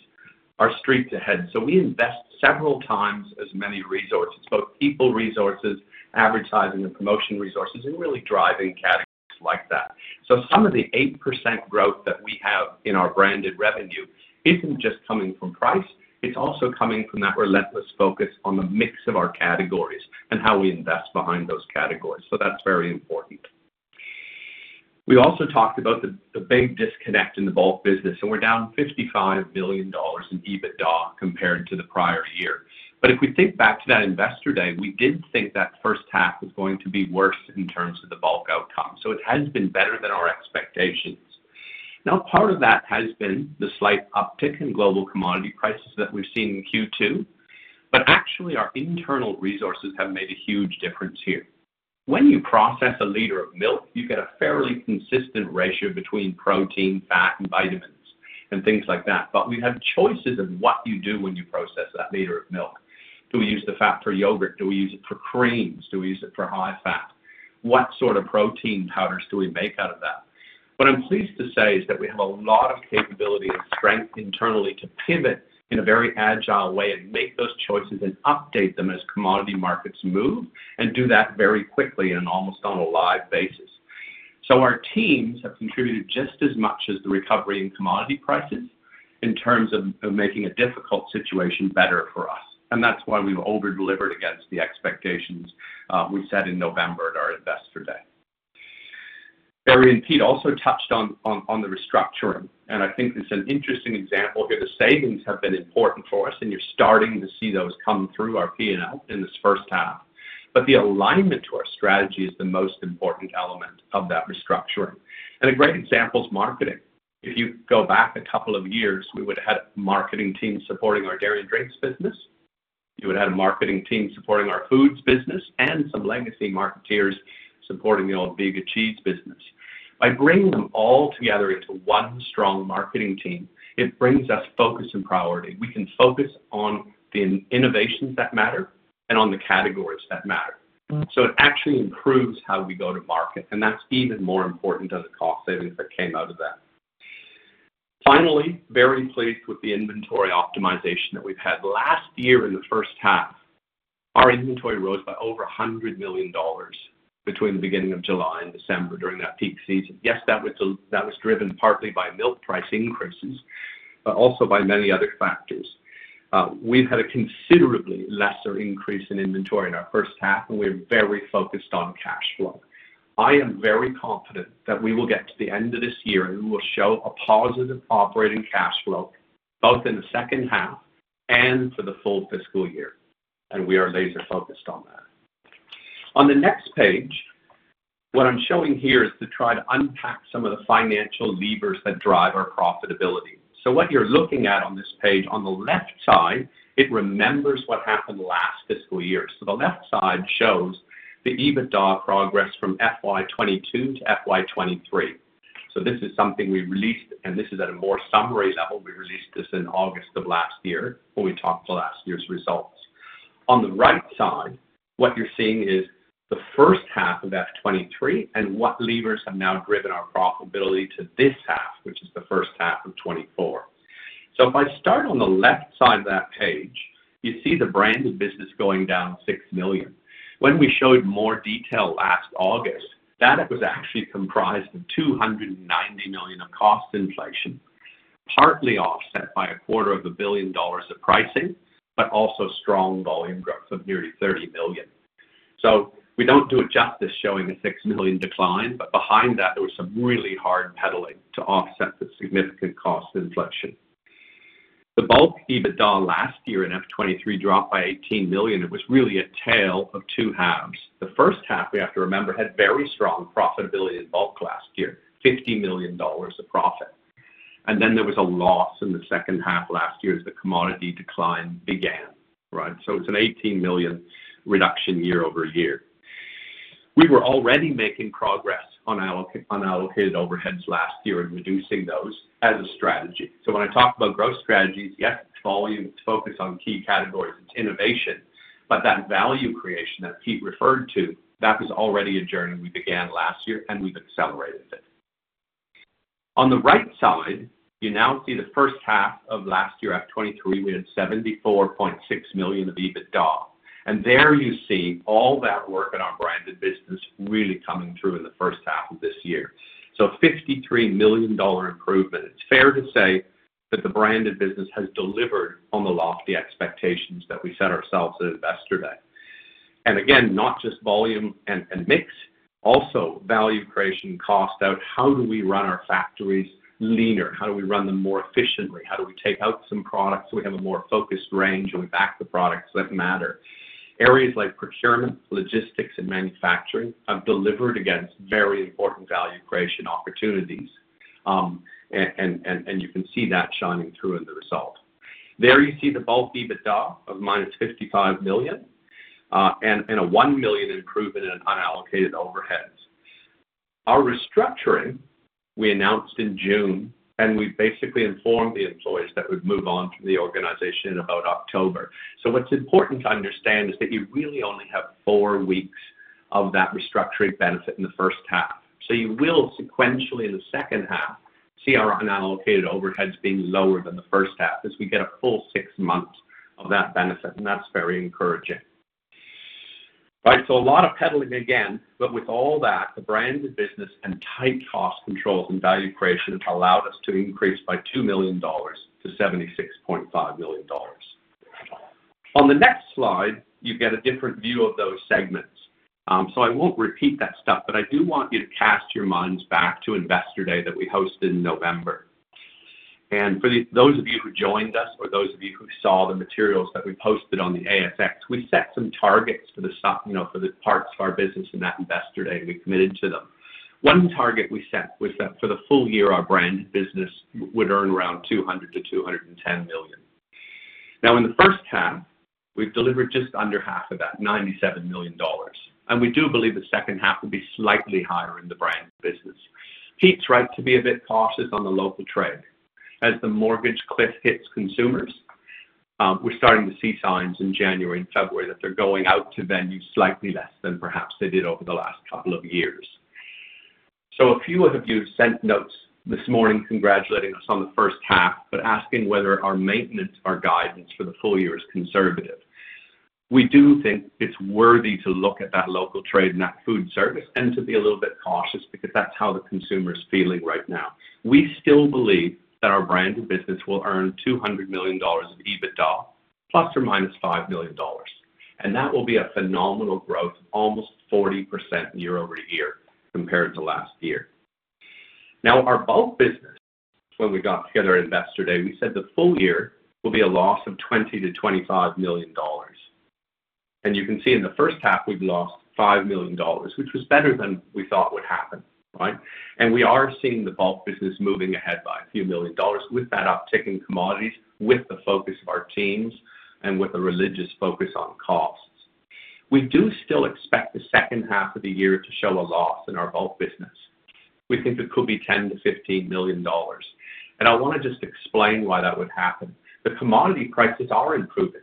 are streets ahead. So we invest several times as many resources, both people, resources, advertising and promotion resources, and really driving categories like that. So some of the 8% growth that we have in our branded revenue isn't just coming from price, it's also coming from that relentless focus on the mix of our categories and how we invest behind those categories. So that's very important... We also talked about the big disconnect in the bulk business, and we're down 55 billion dollars in EBITDA compared to the prior year. If we think back to that Investor Day, we did think that first half was going to be worse in terms of the bulk outcome, so it has been better than our expectations. Now, part of that has been the slight uptick in global commodity prices that we've seen in Q2, but actually, our internal resources have made a huge difference here. When you process a liter of milk, you get a fairly consistent ratio between protein, fat, and vitamins and things like that, but we have choices of what you do when you process that liter of milk. Do we use the fat for yogurt? Do we use it for creams? Do we use it for high fat? What sort of protein powders do we make out of that? What I'm pleased to say is that we have a lot of capability and strength internally to pivot in a very agile way and make those choices and update them as commodity markets move, and do that very quickly and almost on a live basis. So our teams have contributed just as much as the recovery in commodity prices in terms of making a difficult situation better for us, and that's why we've over-delivered against the expectations we set in November at our Investor Day. Barry and Pete also touched on the restructuring, and I think it's an interesting example here. The savings have been important for us, and you're starting to see those come through our P&L in this first half, but the alignment to our strategy is the most important element of that restructuring. And a great example is marketing. If you go back a couple of years, we would have had a marketing team supporting our dairy and drinks business. We would have a marketing team supporting our foods business and some legacy marketeers supporting the old Bega Cheese business. By bringing them all together into one strong marketing team, it brings us focus and priority. We can focus on the innovations that matter and on the categories that matter. So it actually improves how we go to market, and that's even more important than the cost savings that came out of that. Finally, very pleased with the inventory optimization that we've had. Last year in the first half, our inventory rose by over 100 million dollars between the beginning of July and December during that peak season. Yes, that was driven partly by milk price increases, but also by many other factors. We've had a considerably lesser increase in inventory in our first half, and we're very focused on cash flow. I am very confident that we will get to the end of this year, and we will show a positive operating cash flow, both in the second half and for the full fiscal year, and we are laser-focused on that. On the next page, what I'm showing here is to try to unpack some of the financial levers that drive our profitability. So what you're looking at on this page, on the left side, it remembers what happened last fiscal year. So the left side shows the EBITDA progress from FY 2022 to FY 2023. So this is something we released, and this is at a more summary level. We released this in August of last year, when we talked last year's results. On the right side, what you're seeing is the first half of FY 2023 and what levers have now driven our profitability to this half, which is the first half of 2024. So if I start on the left side of that page, you see the branded business going down 6 million. When we showed more detail last August, that it was actually comprised of 290 million of cost inflation, partly offset by 250 million dollars of pricing, but also strong volume growth of nearly 30 billion. So we don't do it justice showing a 6 million decline, but behind that, there was some really hard pedaling to offset the significant cost inflation. The bulk EBITDA last year in FY 2023 dropped by 18 million. It was really a tale of two halves. The first half, we have to remember, had very strong profitability in bulk last year, 50 million dollars of profit. And then there was a loss in the second half last year as the commodity decline began, right? So it's an 18 million reduction year-over-year. We were already making progress on unallocated overheads last year and reducing those as a strategy. So when I talk about growth strategies, yes, volume, it's focused on key categories, it's innovation, but that value creation that Pete referred to, that was already a journey we began last year, and we've accelerated it. On the right side, you now see the first half of last year, at 2023, we had 74.6 million of EBITDA, and there you see all that work in our branded business really coming through in the first half of this year. 53 million dollar improvement. It's fair to say that the branded business has delivered on the lofty expectations that we set ourselves at Investor Day. And again, not just volume and mix, also value creation, cost-out, how do we run our factories leaner? How do we run them more efficiently? How do we take out some products so we have a more focused range, and we back the products that matter? Areas like procurement, logistics, and manufacturing have delivered against very important value creation opportunities, and you can see that shining through in the result. There you see the bulk EBITDA of -55 million, and a 1 million improvement in unallocated overheads. Our restructuring, we announced in June, and we basically informed the employees that would move on from the organization in about October. So what's important to understand is that you really only have 4 weeks of that restructuring benefit in the first half. So you will sequentially, in the second half, see our unallocated overheads being lower than the first half as we get a full 6 months of that benefit, and that's very encouraging. Right, so a lot of pedaling again, but with all that, the branded business and tight cost controls and value creation have allowed us to increase by 2 million dollars to 76.5 million dollars. On the next slide, you get a different view of those segments. So I won't repeat that stuff, but I do want you to cast your minds back to Investor Day that we hosted in November. Those of you who joined us or those of you who saw the materials that we posted on the ASX, we set some targets for the stock, you know, for the parts of our business in that Investor Day, we committed to them. One target we set was that for the full year, our branded business would earn around 200 million-210 million. Now, in the first half, we've delivered just under half of that, 97 million dollars, and we do believe the second half will be slightly higher in the branded business. Pete's right to be a bit cautious on the local trade. As the mortgage cliff hits consumers, we're starting to see signs in January and February that they're going out to venues slightly less than perhaps they did over the last couple of years. So a few of you have sent notes this morning congratulating us on the first half, but asking whether our maintenance, our guidance for the full year is conservative. We do think it's worthy to look at that local trade and that food service, and to be a little bit cautious because that's how the consumer is feeling right now. We still believe that our branded business will earn 200 million dollars of EBITDA, ± 5 million dollars, and that will be a phenomenal growth, almost 40% year-over-year compared to last year. Now, our bulk business, when we got together at Investor Day, we said the full year will be a loss of 20 million-25 million dollars. And you can see in the first half, we've lost 5 million dollars, which was better than we thought would happen, right? We are seeing the bulk business moving ahead by a few million AUD with that uptick in commodities, with the focus of our teams and with a religious focus on costs. We do still expect the second half of the year to show a loss in our bulk business. We think it could be 10 million-15 million dollars, and I wanna just explain why that would happen. The commodity prices are improving.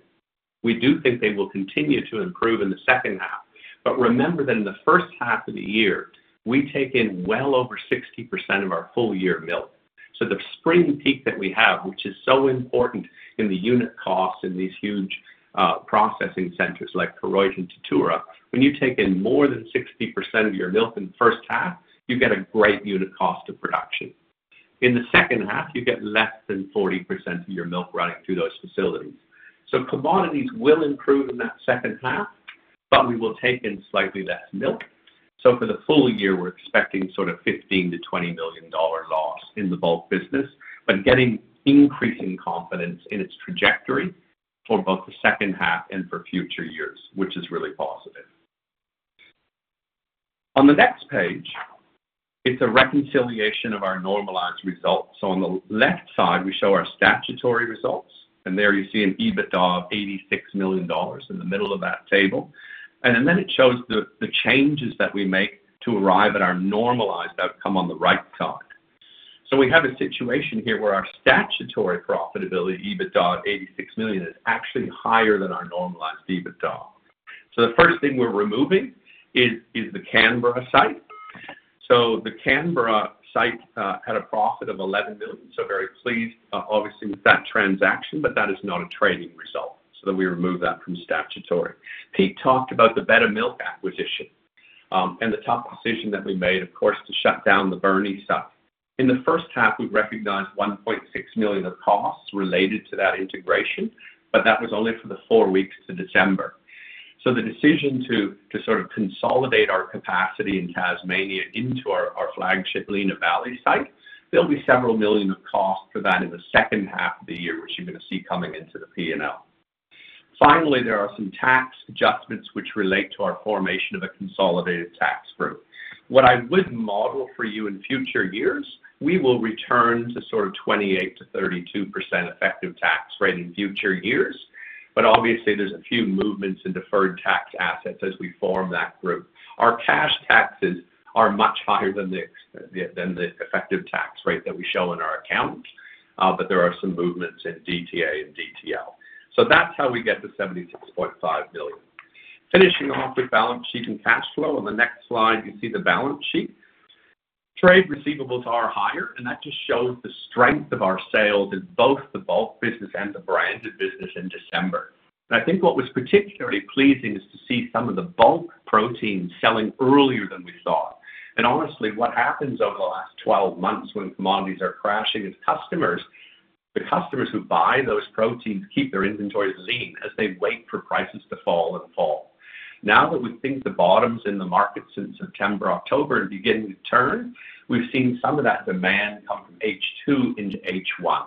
We do think they will continue to improve in the second half, but remember that in the first half of the year, we take in well over 60% of our full year milk. So the spring peak that we have, which is so important in the unit cost in these huge processing centers like Koroit and Tatura, when you take in more than 60% of your milk in the first half, you get a great unit cost of production. In the second half, you get less than 40% of your milk running through those facilities. So commodities will improve in that second half, but we will take in slightly less milk. So for the full year, we're expecting sort of 15 million-20 million dollar loss in the bulk business, but getting increasing confidence in its trajectory for both the second half and for future years, which is really positive. On the next page, it's a reconciliation of our normalized results. So on the left side, we show our statutory results, and there you see an EBITDA of 86 million dollars in the middle of that table. And then it shows the changes that we make to arrive at our normalized outcome on the right side. So we have a situation here where our statutory profitability, EBITDA of 86 million, is actually higher than our normalized EBITDA. So the first thing we're removing is the Canberra site. So the Canberra site had a profit of 11 million, so very pleased, obviously, with that transaction, but that is not a trading result, so then we remove that from statutory. Pete talked about the Betta Milk acquisition, and the tough decision that we made, of course, to shut down the Burnie site. In the first half, we recognized 1.6 million of costs related to that integration, but that was only for the four weeks of December. So the decision to sort of consolidate our capacity in Tasmania into our flagship Lenah Valley site, there'll be several million of cost for that in the second half of the year, which you're gonna see coming into the P&L. Finally, there are some tax adjustments which relate to our formation of a consolidated tax group. What I would model for you in future years, we will return to sort of 28%-32% effective tax rate in future years, but obviously, there's a few movements in deferred tax assets as we form that group. Our cash taxes are much higher than the effective tax rate that we show in our account, but there are some movements in DTA and DTL. So that's how we get to 76.5 billion. Finishing off with balance sheet and cash flow. On the next slide, you see the balance sheet. Trade receivables are higher, and that just shows the strength of our sales in both the bulk business and the branded business in December. I think what was particularly pleasing is to see some of the bulk protein selling earlier than we thought. Honestly, what happens over the last 12 months when commodities are crashing is customers, the customers who buy those proteins keep their inventories lean as they wait for prices to fall and fall. Now that we think the bottoms in the market since September, October, are beginning to turn, we've seen some of that demand come from H2 into H1.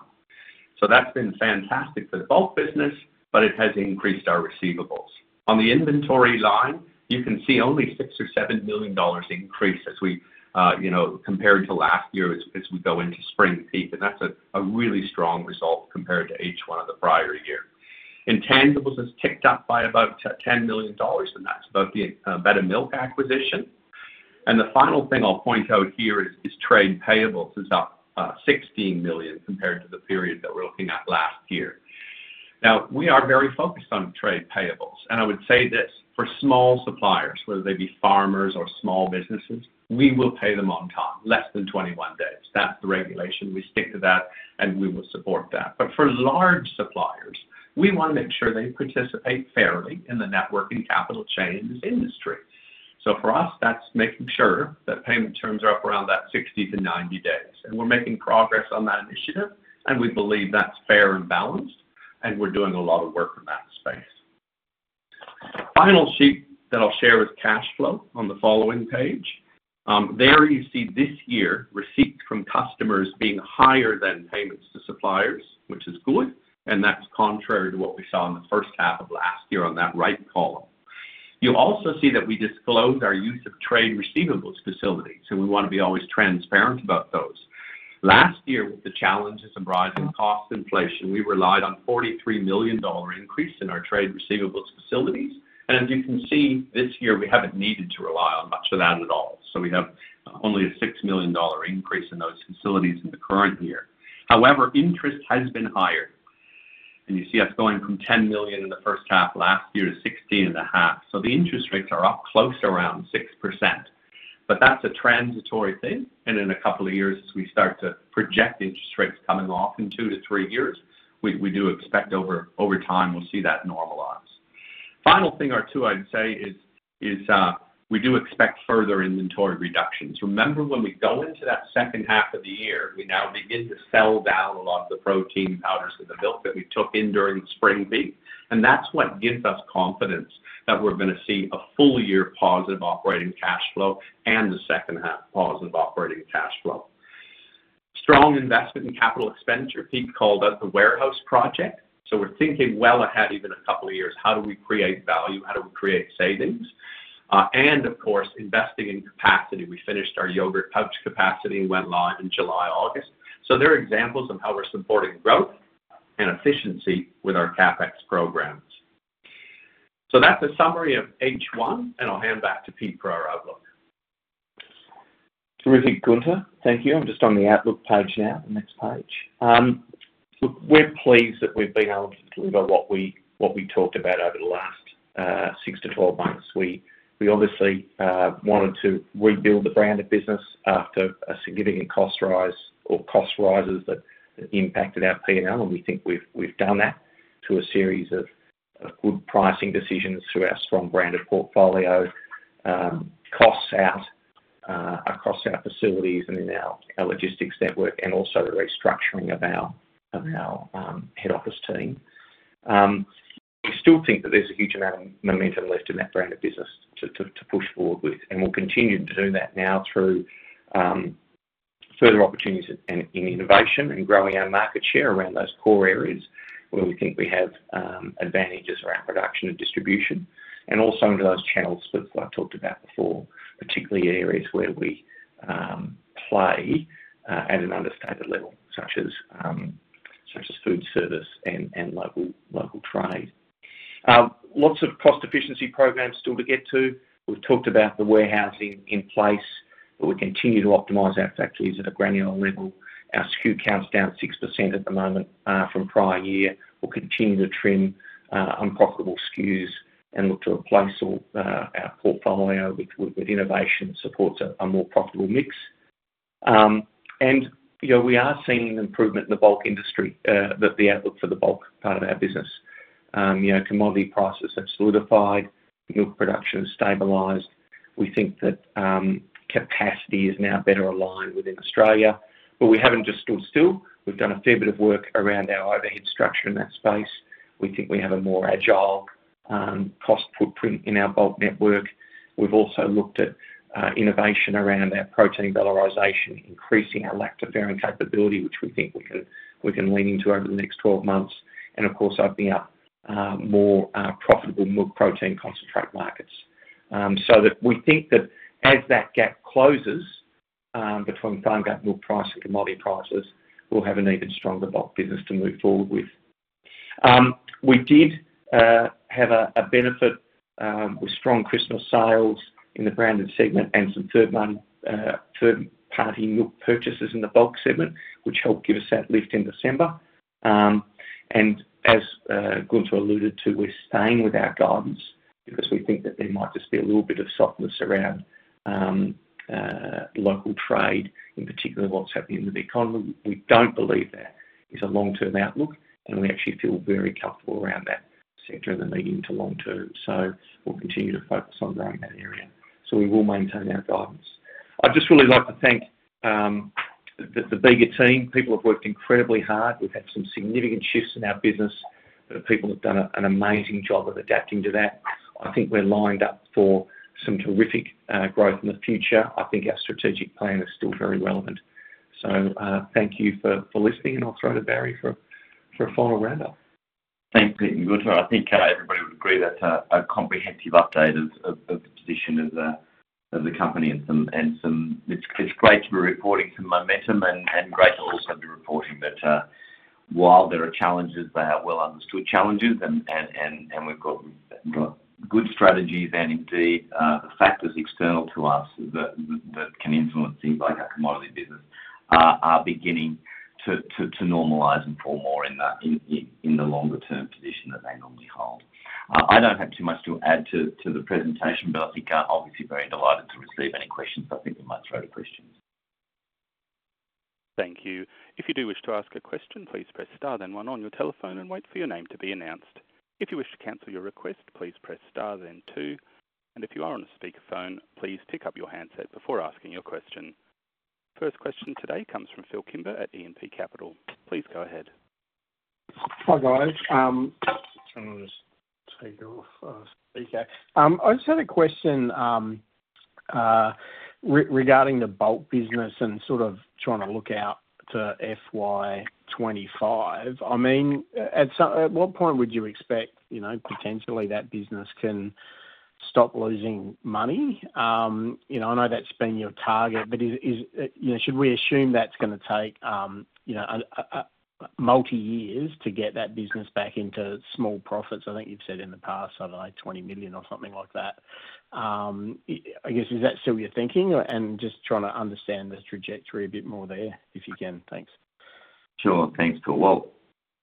So that's been fantastic for the bulk business, but it has increased our receivables. On the inventory line, you can see only 6 million-7 million dollars increase as we, you know, compared to last year as we go into spring peak, and that's a really strong result compared to H1 of the prior year. Intangibles has ticked up by about 10 million dollars, and that's about the Betta Milk acquisition. The final thing I'll point out here is trade payables is up 16 million compared to the period that we're looking at last year. Now, we are very focused on trade payables, and I would say this, for small suppliers, whether they be farmers or small businesses, we will pay them on time, less than 21 days. That's the regulation. We stick to that, and we will support that. But for large suppliers, we wanna make sure they participate fairly in the working capital chain in this industry. So for us, that's making sure that payment terms are up around that 60-90 days. And we're making progress on that initiative, and we believe that's fair and balanced, and we're doing a lot of work in that space. Final sheet that I'll share is cash flow on the following page. You see this year, receipts from customers being higher than payments to suppliers, which is good, and that's contrary to what we saw in the first half of last year on that right column. You'll also see that we disclosed our use of trade receivables facilities, so we wanna be always transparent about those. Last year, with the challenges and rising cost inflation, we relied on 43 million dollar increase in our trade receivables facilities. And as you can see, this year, we haven't needed to rely on much of that at all. So we have only a 6 million dollar increase in those facilities in the current year. However, interest has been higher. And you see us going from 10 million in the first half last year to 16.5. So the interest rates are up close to around 6%, but that's a transitory thing, and in a couple of years, as we start to project interest rates coming off in 2-3 years, we do expect over time, we'll see that normalize. Final thing or two I'd say is we do expect further inventory reductions. Remember, when we go into that second half of the year, we now begin to sell down a lot of the protein powders and the milk that we took in during spring peak, and that's what gives us confidence that we're gonna see a full year positive operating cash flow and the second half positive operating cash flow. Strong investment in capital expenditure, Pete called out the warehouse project, so we're thinking well ahead, even a couple of years. How do we create value? How do we create savings? Of course, investing in capacity. We finished our yogurt pouch capacity and went live in July, August. So there are examples of how we're supporting growth and efficiency with our CapEx programs. So that's a summary of H1, and I'll hand back to Pete for our outlook. Terrific, Gunther. Thank you. I'm just on the outlook page now, the next page. Look, we're pleased that we've been able to deliver what we talked about over the last 6-12 months. We obviously wanted to rebuild the brand of business after a significant cost rise or cost rises that impacted our P&L, and we think we've done that to a series of good pricing decisions through our strong branded portfolio, costs out across our facilities and in our logistics network, and also the restructuring of our head office team. We still think that there's a huge amount of momentum left in that brand of business to push forward with, and we'll continue to do that now through further opportunities in innovation and growing our market share around those core areas where we think we have advantages around production and distribution, and also into those channels that I've talked about before, particularly in areas where we play at an understated level, such as food service and local trade. Lots of cost efficiency programs still to get to. We've talked about the warehousing in place, but we continue to optimize our factories at a granular level. Our SKU count's down 6% at the moment from prior year. We'll continue to trim unprofitable SKUs and look to replace all our portfolio with, with, with innovation that supports a, a more profitable mix. And, you know, we are seeing an improvement in the bulk industry that the outlook for the bulk part of our business. You know, commodity prices have solidified, milk production has stabilized. We think that capacity is now better aligned within Australia, but we haven't just stood still. We've done a fair bit of work around our overhead structure in that space. We think we have a more agile cost footprint in our bulk network. We've also looked at innovation around our protein valorization, increasing our lactoferrin capability, which we think we can, we can lean into over the next 12 months, and of course, opening up more profitable milk protein concentrate markets. So that we think that as that gap closes between farmgate milk price and commodity prices, we'll have an even stronger bulk business to move forward with. We did have a benefit with strong Christmas sales in the branded segment and some third-party milk purchases in the bulk segment, which helped give us that lift in December. And as Gunther alluded to, we're staying with our guidance because we think that there might just be a little bit of softness around local trade, in particular, what's happening with the economy. We don't believe that is a long-term outlook, and we actually feel very comfortable around that sector in the medium to long term, so we'll continue to focus on growing that area. So we will maintain our guidance. I'd just really like to thank the Bega team. People have worked incredibly hard. We've had some significant shifts in our business. The people have done an amazing job of adapting to that. I think we're lined up for some terrific growth in the future. I think our strategic plan is still very relevant. So, thank you for listening, and I'll throw to Barry for a final roundup. Thanks, Pete and Gunther. I think everybody would agree that's a comprehensive update of the position of the company. It's great to be reporting some momentum and great to also be reporting that while there are challenges, they are well understood challenges and we've got good strategies and indeed the factors external to us that can influence things like our commodity business are beginning to normalize and fall more in the longer-term position that they normally hold. I don't have too much to add to the presentation, but I think I'm obviously very delighted to receive any questions. I think we might throw to questions. Thank you. If you do wish to ask a question, please press star then one on your telephone and wait for your name to be announced. If you wish to cancel your request, please press star then two, and if you are on a speakerphone, please pick up your handset before asking your question. First question today comes from Phil Kimber at E&P Capital. Please go ahead. Hi, guys. Trying to just take off speaker. I just had a question regarding the bulk business and sort of trying to look out to FY 2025. I mean, at what point would you expect, you know, potentially that business can stop losing money? You know, I know that's been your target, but is, you know, should we assume that's gonna take, you know, multi years to get that business back into small profits? I think you've said in the past, I don't know, 20 million or something like that. I guess, is that still your thinking? And just trying to understand the trajectory a bit more there, if you can. Thanks. Sure. Thanks, Phil. Well,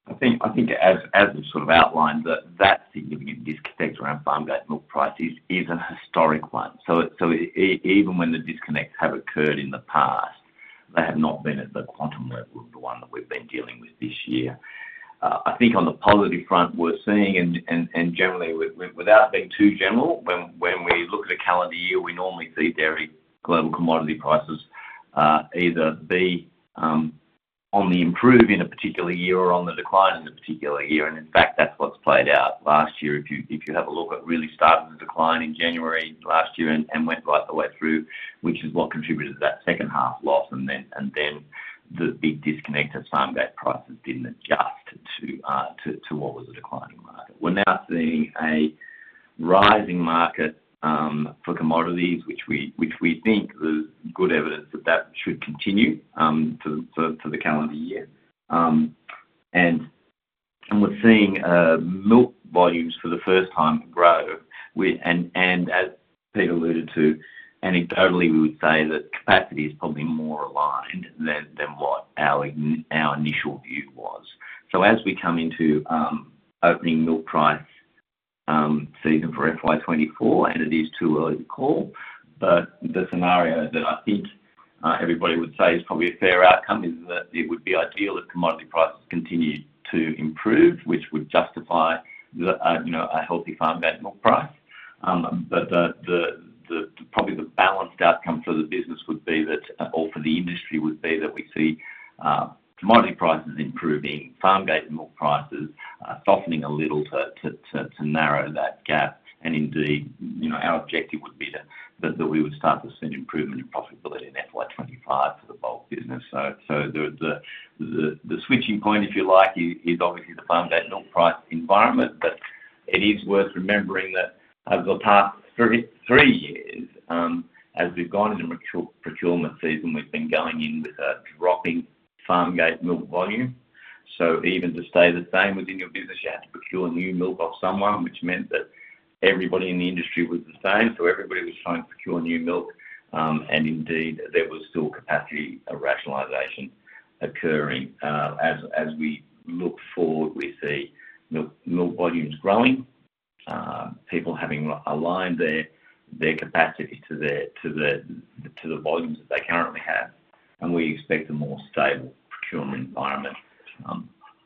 I think as we've sort of outlined, that significant disconnect around farmgate milk prices is a historic one. So even when the disconnects have occurred in the past, they have not been at the quantum level of the one that we've been dealing with this year. I think on the positive front, we're seeing and generally, without being too general, when we look at a calendar year, we normally see dairy global commodity prices either be on the improve in a particular year or on the decline in a particular year. And in fact, that's what's played out last year. If you have a look, it really started to decline in January last year and went right the way through, which is what contributed to that second half loss, and then the big disconnect as farmgate prices didn't adjust to what was a declining market. We're now seeing a rising market for commodities, which we think there's good evidence that that should continue to the calendar year. And we're seeing milk volumes for the first time grow. And as Pete alluded to, anecdotally, we would say that capacity is probably more aligned than what our initial view was. So as we come into opening milk price season for FY 2024, and it is too early to call, but the scenario that I think everybody would say is probably a fair outcome is that it would be ideal if commodity prices continued to improve, which would justify the you know a healthy farmgate milk price. But the probably the balanced outcome for the business would be that, or for the industry, would be that we see commodity prices improving, farmgate milk prices softening a little to narrow that gap. And indeed, you know, our objective would be that we would start to see an improvement in profitability in FY 2025 for the bulk business. The switching point, if you like, is obviously the farmgate milk price environment, but it is worth remembering that over the past three years, as we've gone into mature procurement season, we've been going in with a dropping farmgate milk volume. So even to stay the same within your business, you have to procure new milk off someone, which meant that everybody in the industry was the same, so everybody was trying to procure new milk, and indeed, there was still capacity rationalization occurring. As we look forward, we see milk volumes growing, people having aligned their capacity to the volumes that they currently have, and we expect a more stable procurement environment.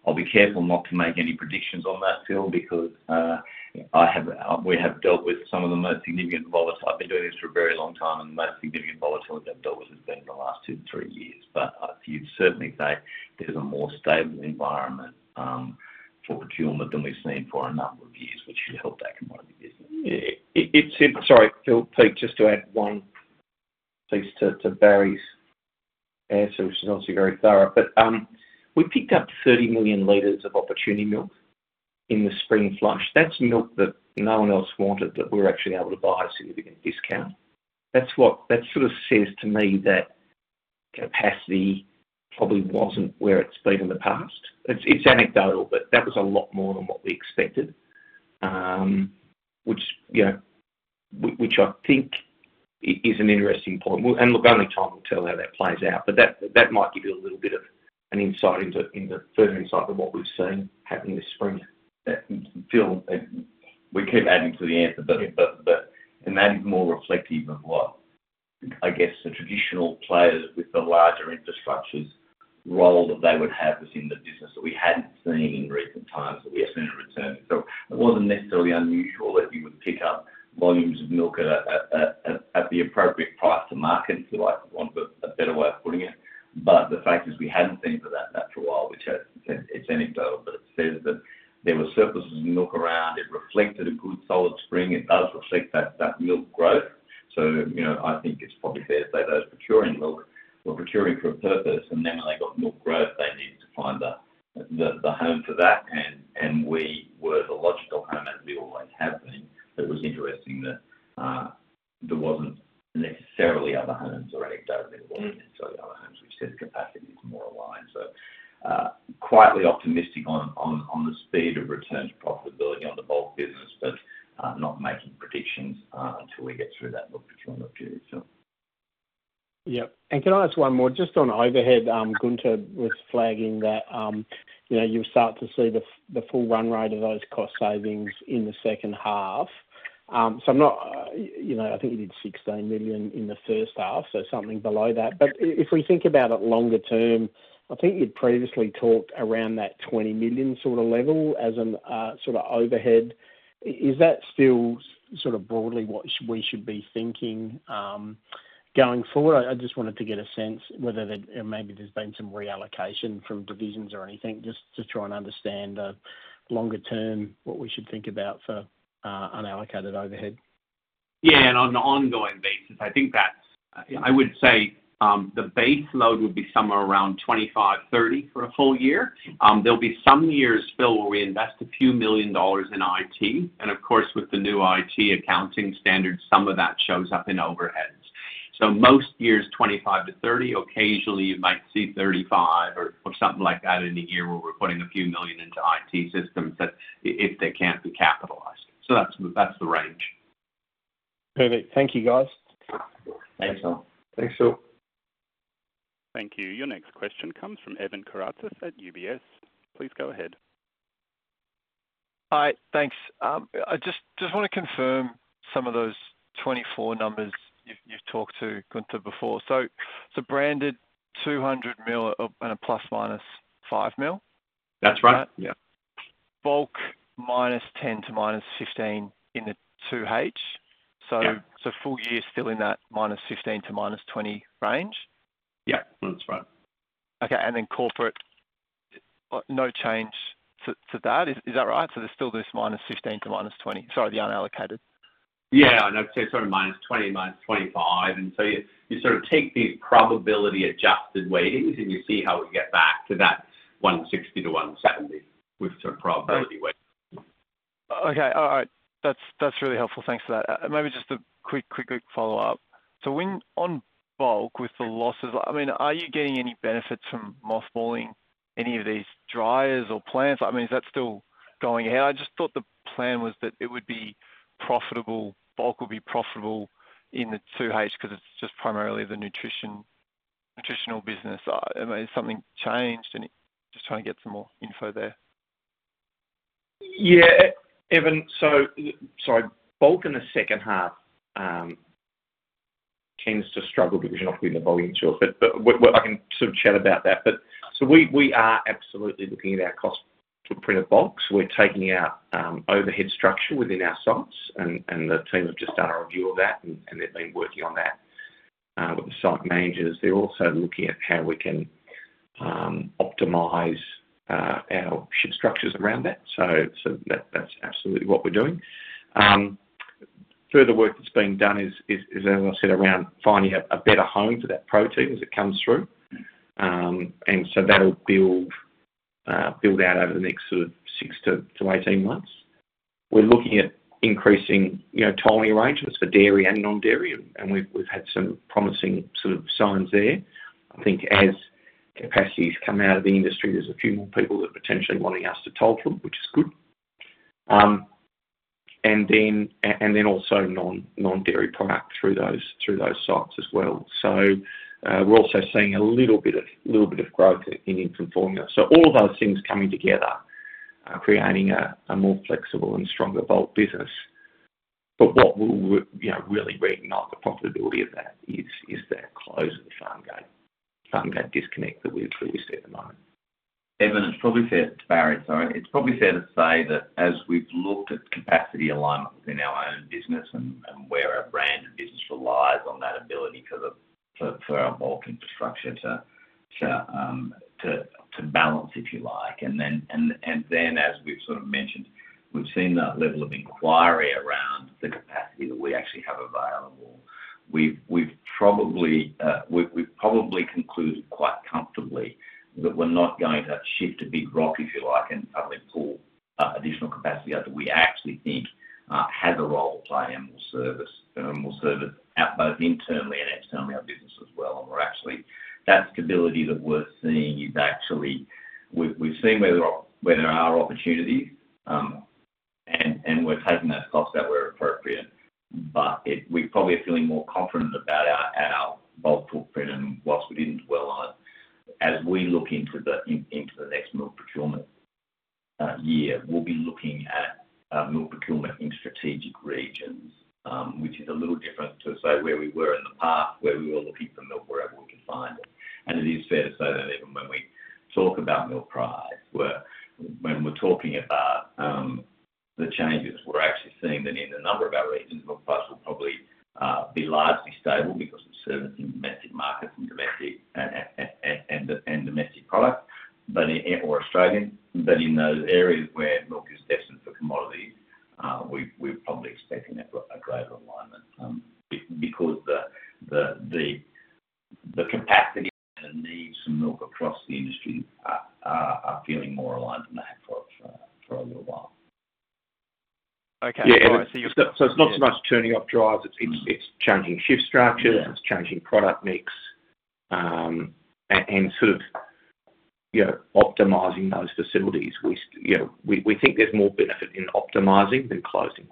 I'll be careful not to make any predictions on that, Phil, because I have, we have dealt with some of the most significant volatility. I've been doing this for a very long time, and the most significant volatility I've dealt with has been the last two to three years. But you'd certainly say there's a more stable environment for procurement than we've seen for a number of years, which should help that commodity business. Yeah, sorry, Phil, Pete, just to add one piece to Barry's answer, which is obviously very thorough, but we picked up 30 million liters of opportunity milk in the spring flush. That's milk that no one else wanted, that we were actually able to buy at a significant discount. That sort of says to me that capacity probably wasn't where it's been in the past. It's anecdotal, but that was a lot more than what we expected, which, you know, which I think is an interesting point. Well, and look, only time will tell how that plays out, but that might give you a little bit of an insight into further insight into what we've seen happen this spring. Phil, and we keep adding to the answer, but- Yeah... but and that is more reflective of what, I guess, the traditional players with the larger infrastructure's role that they would have within the business that we hadn't seen in recent times, that we are seeing a return. So it wasn't necessarily unusual that you would pick up volumes of milk at the appropriate price to market, for lack of a better way of putting it. But the fact is, we hadn't seen that for a while, which is, it's anecdotal, but it says that there were surpluses of milk around. It reflected a good solid spring. It does reflect that milk growth. So, you know, I think it's probably fair to say those procuring milk were procuring for a purpose, and then when they got milk growth, they needed to find the home for that, and we were the logical home, as we always have been. But it was interesting that there wasn't necessarily other homes or anecdotally- Mm... other homes, which said capacity is more aligned. So, quietly optimistic on the speed of return to profitability on the bulk business, but, not making predictions, until we get through that milk procurement duty, so. Yep, and can I ask one more, just on overhead, Gunther was flagging that, you know, you'll start to see the full run rate of those cost savings in the second half. So I'm not, you know, I think you did 16 million in the first half, so something below that. But if we think about it longer term, I think you'd previously talked around that 20 million sort of level as an sort of overhead. Is that still sort of broadly what we should be thinking going forward? I just wanted to get a sense whether there, maybe there's been some reallocation from divisions or anything, just to try and understand longer term, what we should think about for unallocated overhead. Yeah, and on an ongoing basis, I think that's, I would say, the base load would be somewhere around 25 million-30 million for a whole year. There'll be some years, Phil, where we invest a few million AUD in IT, and of course, with the new IT accounting standards, some of that shows up in overheads. So most years, 25-30. Occasionally, you might see 35 or something like that in a year where we're putting a few million AUD into IT systems, that if they can't be capitalized. So that's, that's the range. Perfect. Thank you, guys. Thanks, Phil. Thanks, Phil. Thank you. Your next question comes from Evan Karatzas at UBS. Please go ahead. Hi, thanks. I just wanna confirm some of those 24 numbers you've talked to Gunther before. So branded 200 million, and a ±5 million? That's right. Is that- Yeah. Bulk, -10 to -15 in the 2H? Yeah. So, full year still in that -15 to -20 range? Yeah, that's right. Okay, and then corporate, no change to that. Is that right? So there's still this -15 to -20, sorry, the unallocated. Yeah, and I'd say sort of -20, -25, and so you, you sort of take these probability-adjusted weightings, and you see how we get back to that 160-170 with sort of probability weight. Okay, all right. That's really helpful. Thanks for that. Maybe just a quick follow-up. So when on bulk with the losses, I mean, are you getting any benefit from mothballing any of these dryers or plants? I mean, is that still going ahead? I just thought the plan was that it would be profitable, bulk would be profitable in the 2H because it's just primarily the nutritional business. I mean, has something changed? And just trying to get some more info there. Yeah, Evan, so bulk in the second half tends to struggle because you're not putting the volume to it. But what I can sort of chat about that, but so we are absolutely looking at our cost to produce bulk. So we're taking out overhead structure within our sites, and the team have just done a review of that, and they've been working on that. With the site managers, they're also looking at how we can optimize our supply structures around that. So that's absolutely what we're doing. Further work that's being done is, as I said, around finding a better home for that protein as it comes through. And so that'll build out over the next sort of six to 18 months. We're looking at increasing, you know, tolling arrangements for dairy and non-dairy, and we've had some promising sort of signs there. I think as capacities come out of the industry, there's a few more people that are potentially wanting us to toll for them, which is good. And then also non-dairy product through those sites as well. So, we're also seeing a little bit of growth in formula. So all of those things coming together, creating a more flexible and stronger bulk business. But what we'll, you know, really recognize the profitability of that is that close of the farmgate, farmgate disconnect that we obviously see at the moment. Evan, it's probably fair... Barry, sorry. It's probably fair to say that as we've looked at capacity alignment within our own business and where our brand and business relies on that ability for the, for our bulk infrastructure to balance, if you like, and then, as we've sort of mentioned, we've seen that level of inquiry around the capacity that we actually have available. We've probably concluded quite comfortably that we're not going to shift a big rock, if you like, and probably pull additional capacity out that we actually think has a role to play and will service out both internally and externally our business as well. And we're actually, that stability that we're seeing is actually... We've seen where there are opportunities, and we're taking those costs out where appropriate. But we probably are feeling more confident about our bulk footprint and what we didn't dwell on. As we look into the next milk procurement year, we'll be looking at milk procurement in strategic regions, which is a little different to, say, where we were in the past, where we were looking for milk wherever we could find it. And it is fair to say that even when we talk about milk price, when we're talking about the changes, we're actually seeing that in a number of our regions, milk price will probably be largely stable because of service in domestic markets and domestic product, but in or Australian, but in those areas where milk is destined for commodity, we're probably expecting a greater alignment because the capacity and needs some milk across the industry are feeling more aligned than they have for a little while. Okay. Yeah, so it's not so much turning off dryers, it's changing shift structures- Yeah. It's changing product mix, and sort of, you know, optimizing those facilities. We, you know, we think there's more benefit in optimizing than closing.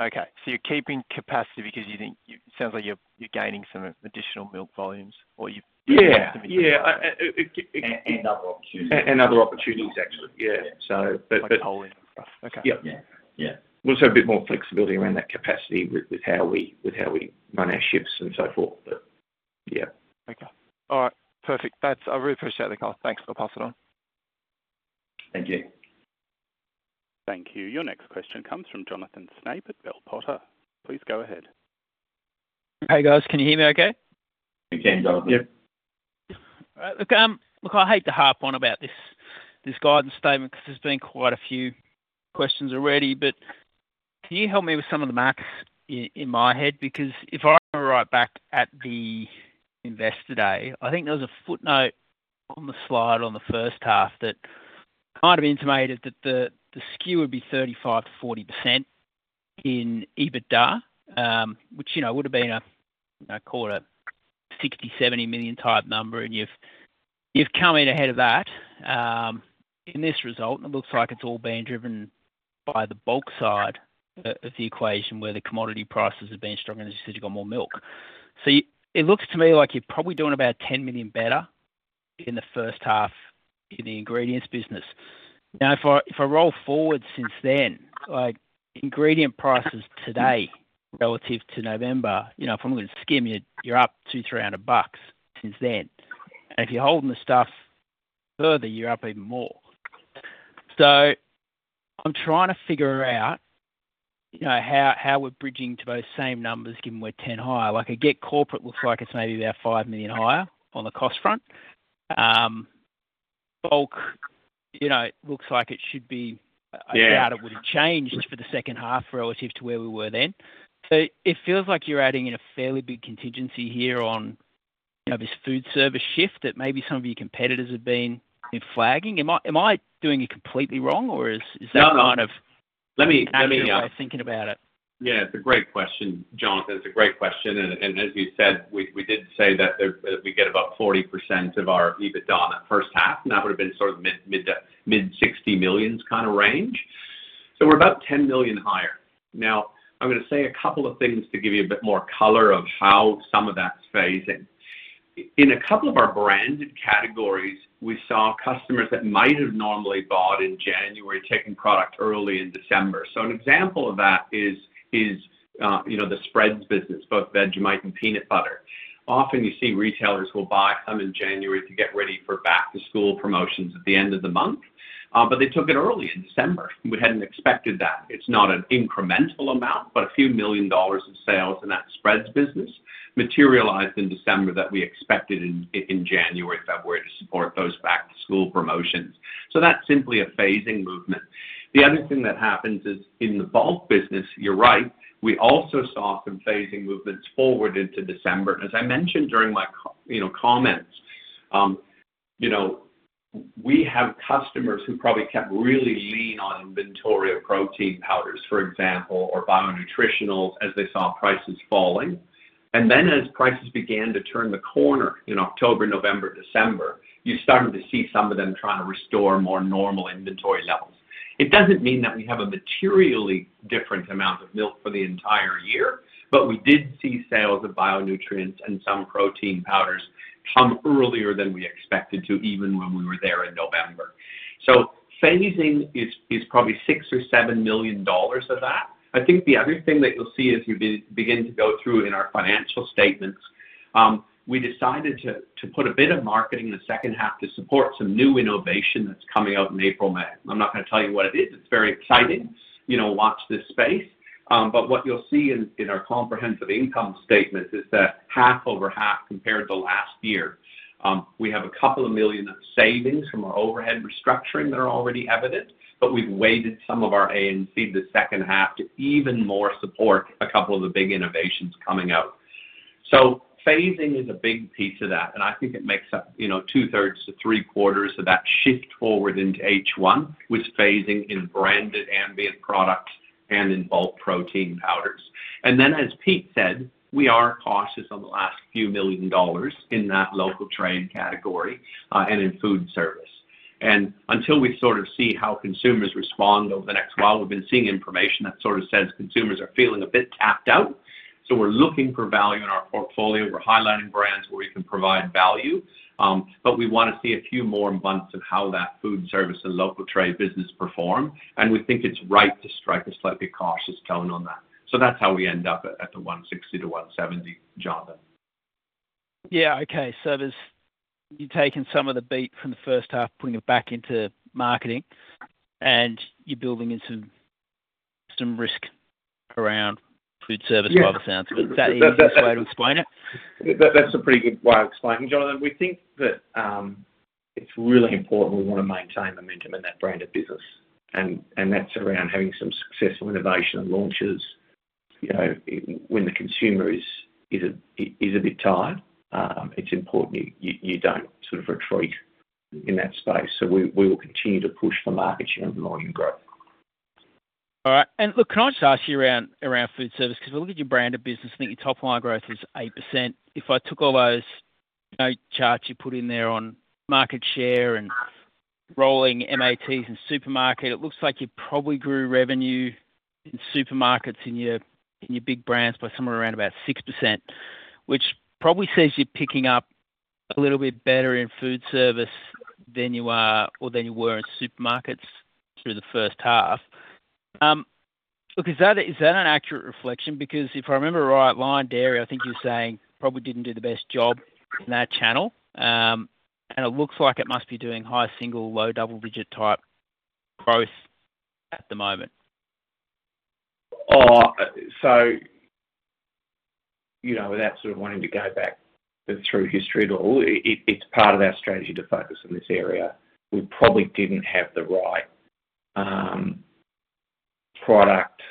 Okay. So you're keeping capacity because you think, sounds like you're gaining some additional milk volumes or you- Yeah, yeah. And other opportunities. Other opportunities, actually. Yeah. So, but- Like holding. Okay. Yeah. Yeah. Yeah. We also have a bit more flexibility around that capacity with how we run our ships and so forth. Yeah. Okay. All right, perfect. That's. I really appreciate that, Kyle. Thanks, I'll pass it on. Thank you. Thank you. Your next question comes from Jonathan Snape at Bell Potter. Please go ahead. Hey, guys, can you hear me okay? We can, Jonathan. Yep. All right. Look, look, I hate to harp on about this, this guidance statement, 'cause there's been quite a few questions already, but can you help me with some of the math in my head? Because if I remember right back at the investor day, I think there was a footnote on the slide on the first half that kind of intimated that the SKU would be 35%-40% in EBITDA, which, you know, would've been a, I call it a 60-70 million type number, and you've come in ahead of that in this result, and it looks like it's all been driven by the bulk side of the equation, where the commodity prices have been stronger, and as you said, you've got more milk. So it looks to me like you're probably doing about 10 million better in the first half in the ingredients business. Now, if I, if I roll forward since then, like, ingredient prices today relative to November, you know, if I'm gonna skim milk, you're up 200-300 bucks since then, and if you're holding the stuff further, you're up even more. So I'm trying to figure out, you know, how, how we're bridging to those same numbers, given we're 10 higher. Like at corporate, looks like it's maybe about 5 million higher on the cost front. Bulk, you know, it looks like it should be- Yeah. I doubt it would've changed for the second half relative to where we were then. So it feels like you're adding in a fairly big contingency here on, you know, this foodservice shift, that maybe some of your competitors have been flagging. Am I doing it completely wrong, or is- No… is that kind of- Let me- Thinking about it. Yeah, it's a great question, Jonathan. It's a great question, and as you said, we did say that we get about 40% of our EBITDA in that first half, and that would've been sort of mid-60 millions kind of range. So we're about 10 million higher. Now, I'm gonna say a couple of things to give you a bit more color of how some of that's phasing. In a couple of our branded categories, we saw customers that might have normally bought in January, taking product early in December. So an example of that is, you know, the spreads business, both Vegemite and peanut butter. Often you see retailers who will buy some in January to get ready for back to school promotions at the end of the month, but they took it early in December. We hadn't expected that. It's not an incremental amount, but a few million AUD of sales in that spreads business, materialized in December, that we expected in January, February to support those back to school promotions. So that's simply a phasing movement. The other thing that happens is, in the bulk business, you're right, we also saw some phasing movements forward into December. As I mentioned during my you know, comments, you know, we have customers who probably kept really lean on inventory of protein powders, for example, or bio nutritionals, as they saw prices falling. And then as prices began to turn the corner in October, November, December, you're starting to see some of them trying to restore more normal inventory levels. It doesn't mean that we have a materially different amount of milk for the entire year, but we did see sales of bionutrients and some protein powders come earlier than we expected to, even when we were there in November. So phasing is probably 6 million or 7 million dollars of that. I think the other thing that you'll see, as you begin to go through in our financial statements, we decided to put a bit of marketing in the second half to support some new innovation that's coming out in April, May. I'm not gonna tell you what it is. It's very exciting, you know, watch this space. But what you'll see in our comprehensive income statement is that half over half compared to last year, we have a couple of million of savings from our overhead restructuring that are already evident, but we've weighted some of our A&P the second half to even more support a couple of the big innovations coming out. So phasing is a big piece of that, and I think it makes up, you know, two-thirds to three-quarters of that shift forward into H1, with phasing in branded ambient products and in bulk protein powders. And then, as Pete said, we are cautious on the last few million dollars in that local trade category, and in foodservice. Until we sort of see how consumers respond over the next while, we've been seeing information that sort of says consumers are feeling a bit tapped out, so we're looking for value in our portfolio. We're highlighting brands where we can provide value, but we wanna see a few more months of how that foodservice and local trade business perform, and we think it's right to strike a slightly cautious tone on that. That's how we end up at the 160-170, Jonathan. Yeah, okay. So there's, you've taken some of the beat from the first half, putting it back into marketing, and you're building in some risk around foodservice- Yeah By the sounds of it. Is that an easy way to explain it? That, that's a pretty good way of explaining it, Jonathan. We think that it's really important, we wanna maintain momentum in that brand of business, and that's around having some successful innovation and launches. You know, when the consumer is a bit tired, it's important you don't sort of retreat in that space. So we will continue to push for market share and volume growth. All right. And look, can I just ask you around, around foodservice? 'Cause if I look at your brand of business, I think your top line growth is 8%. If I took all those, you know, charts you put in there on market share and rolling MATs and supermarket, it looks like you probably grew revenue in supermarkets in your, in your big brands by somewhere around about 6%, which probably says you're picking up a little bit better in foodservice than you are or than you were in supermarkets through the first half. Look, is that, is that an accurate reflection? Because if I remember right, Lion Dairy, I think you're saying, probably didn't do the best job in that channel. And it looks like it must be doing high single, low double-digit type growth at the moment. So, you know, without sort of wanting to go back through history at all, it, it's part of our strategy to focus on this area. We probably didn't have the right product.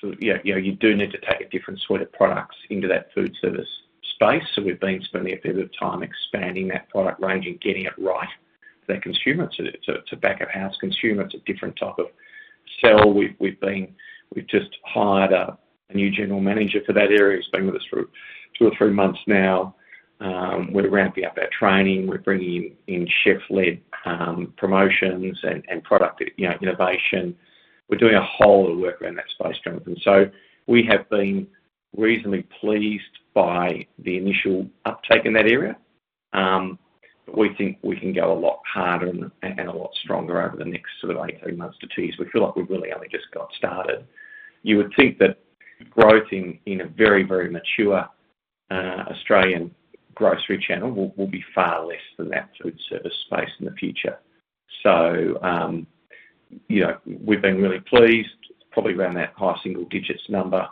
So, yeah, you know, you do need to take a different sort of products into that foodservice space, so we've been spending a bit of time expanding that product range and getting it right for that consumer, to the back-of-house consumer. It's a different type of sell. We've been—we've just hired a new general manager for that area, who's been with us for two or three months now. We're ramping up our training. We're bringing in, chef-led, promotions and product, you know, innovation. We're doing a whole lot of work around that space, Jonathan. So we have been reasonably pleased by the initial uptake in that area. But we think we can go a lot harder and a lot stronger over the next sort of 18 months to two years. We feel like we've really only just got started. You would think that growth in a very, very mature Australian grocery channel will be far less than that foodservice space in the future. So, you know, we've been really pleased, probably around that high single digits number,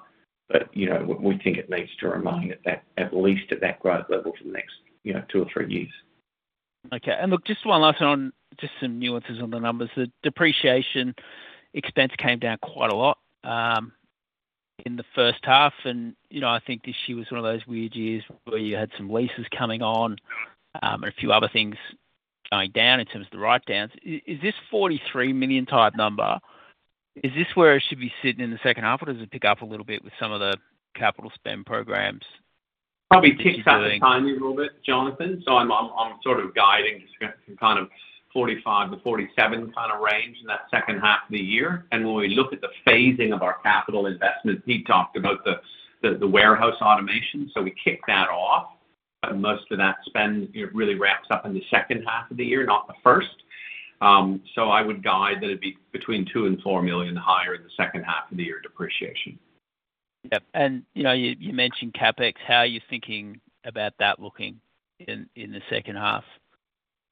but, you know, we think it needs to remain at that, at least at that growth level for the next, you know, two or three years. Okay. Look, just one last one on just some nuances on the numbers. The depreciation expense came down quite a lot in the first half. And, you know, I think this year was one of those weird years where you had some leases coming on, and a few other things going down in terms of the write-downs. Is this 43 million type number, is this where it should be sitting in the second half, or does it pick up a little bit with some of the capital spend programs? Probably ticks up a tiny little bit, Jonathan. So I'm sort of guiding just kind of 45-47 kind of range in that second half of the year. When we look at the phasing of our capital investment, Pete talked about the warehouse automation, so we kick that off, but most of that spend, it really ramps up in the second half of the year, not the first. So I would guide that it'd be between 2 million and 4 million higher in the second half of the year, depreciation. Yep. And, you know, you mentioned CapEx. How are you thinking about that looking in the second half?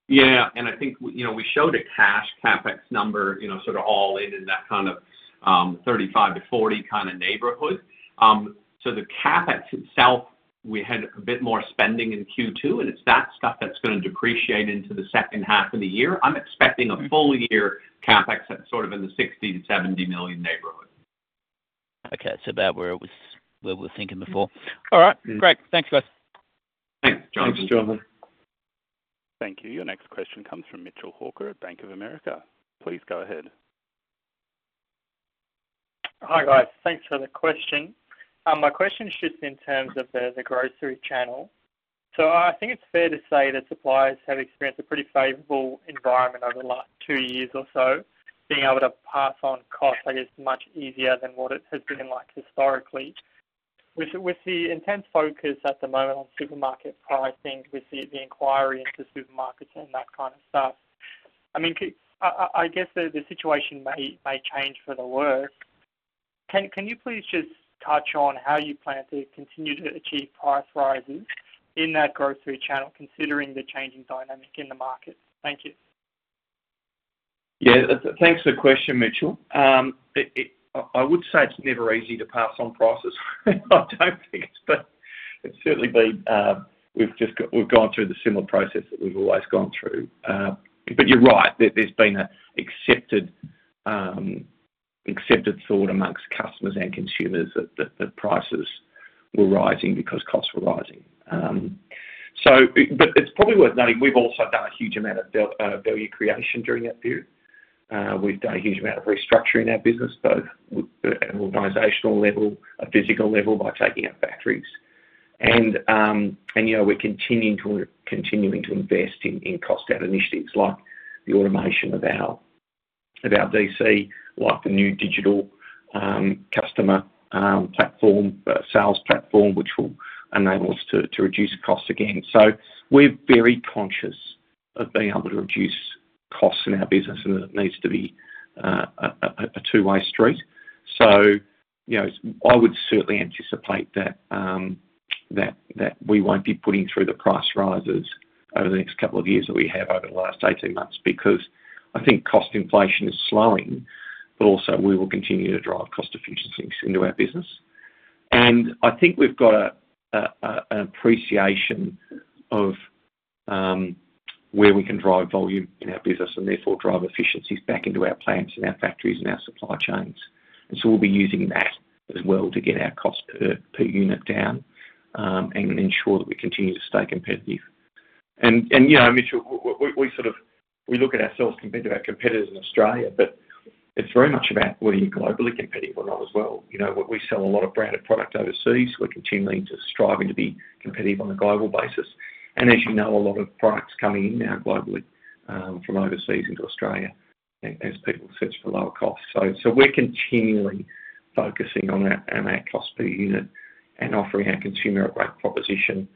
Yeah, and I think, you know, we showed a cash CapEx number, you know, sort of all in, in that kind of 35-40 kind of neighborhood. So the CapEx itself, we had a bit more spending in Q2, and it's that stuff that's going to depreciate into the second half of the year. I'm expecting a full year CapEx at sort of in the 60-70 million neighborhood. Okay. It's about where it was - where we were thinking before. All right, great. Thanks, guys. Thanks, Jonathan. Thanks, Jonathan. Thank you. Your next question comes from Mitchell Hawker at Bank of America. Please go ahead. Hi, guys. Thanks for the question. My question is just in terms of the grocery channel. So I think it's fair to say that suppliers have experienced a pretty favorable environment over the last two years or so. Being able to pass on costs, I guess, much easier than what it has been like historically. With the intense focus at the moment on supermarket pricing, with the inquiry into supermarkets and that kind of stuff, I mean, I guess the situation may change for the worse. Can you please just touch on how you plan to continue to achieve price rises in that grocery channel, considering the changing dynamic in the market? Thank you. Yeah, thanks for the question, Mitchell. I would say it's never easy to pass on prices. I don't think it's. But it's certainly been, we've just gone through the similar process that we've always gone through. But you're right, there's been an accepted thought amongst customers and consumers that prices were rising because costs were rising. So, but it's probably worth noting, we've also done a huge amount of value creation during that period. We've done a huge amount of restructuring in our business, both at an organizational level, a physical level, by taking out factories. And, you know, we're continuing to invest in cost out initiatives, like the automation of our DC, like the new digital customer sales platform, which will enable us to reduce costs again. So we're very conscious of being able to reduce costs in our business, and it needs to be a two-way street. So, you know, I would certainly anticipate that we won't be putting through the price rises over the next couple of years that we have over the last 18 months, because I think cost inflation is slowing, but also we will continue to drive cost efficiencies into our business. I think we've got an appreciation of where we can drive volume in our business, and therefore drive efficiencies back into our plants and our factories and our supply chains. And so we'll be using that as well to get our cost per unit down, and ensure that we continue to stay competitive. And, you know, Mitchell, we sort of, we look at ourselves compared to our competitors in Australia, but it's very much about whether you're globally competitive or not as well. You know, we sell a lot of branded product overseas. We're continually just striving to be competitive on a global basis. And as you know, a lot of products coming in now globally, from overseas into Australia as people search for lower costs. So, we're continually focusing on our cost per unit and offering our consumer a great proposition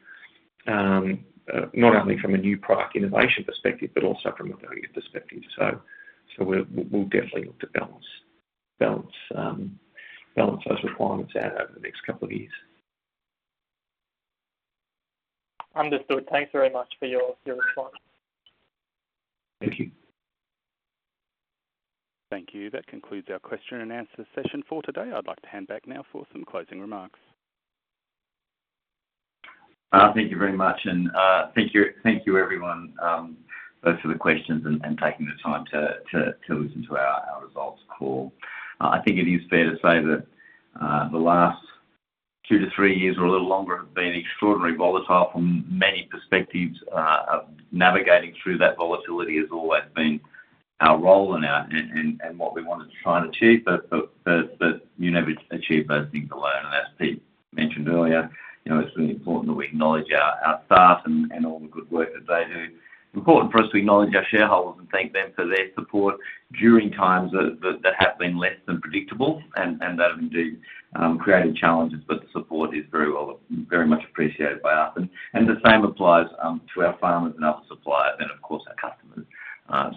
not only from a new product innovation perspective, but also from a value perspective. So we'll definitely look to balance those requirements out over the next couple of years. Understood. Thanks very much for your response. Thank you. Thank you. That concludes our question and answer session for today. I'd like to hand back now for some closing remarks. Thank you very much, and thank you, everyone, both for the questions and taking the time to listen to our results call. I think it is fair to say that the last 2-3 years or a little longer have been extraordinarily volatile from many perspectives. Navigating through that volatility has always been our role and what we wanted to try and achieve. You never achieve those things alone. As Pete mentioned earlier, you know, it's really important that we acknowledge our staff and all the good work that they do. It's important for us to acknowledge our shareholders and thank them for their support during times that have been less than predictable, and that have indeed created challenges. But the support is very well, very much appreciated by us. And the same applies to our farmers and our suppliers, and of course, our customers.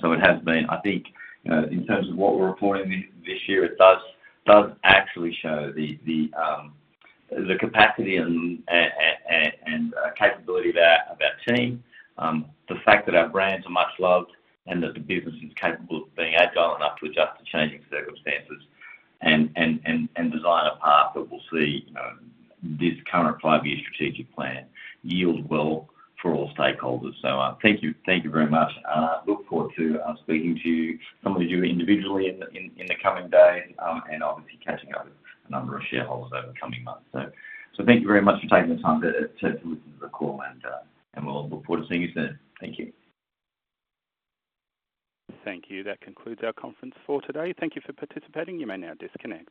So it has been. I think, in terms of what we're reporting this year, it does actually show the capacity and capability of our team. The fact that our brands are much loved, and that the business is capable of being agile enough to adjust to changing circumstances and design a path that will see this current five-year strategic plan yield well for all stakeholders. So, thank you. Thank you very much, and I look forward to speaking to some of you individually in the coming days, and obviously catching up with a number of shareholders over the coming months. So, thank you very much for taking the time to listen to the call, and we'll look forward to seeing you soon. Thank you. Thank you. That concludes our conference for today. Thank you for participating. You may now disconnect.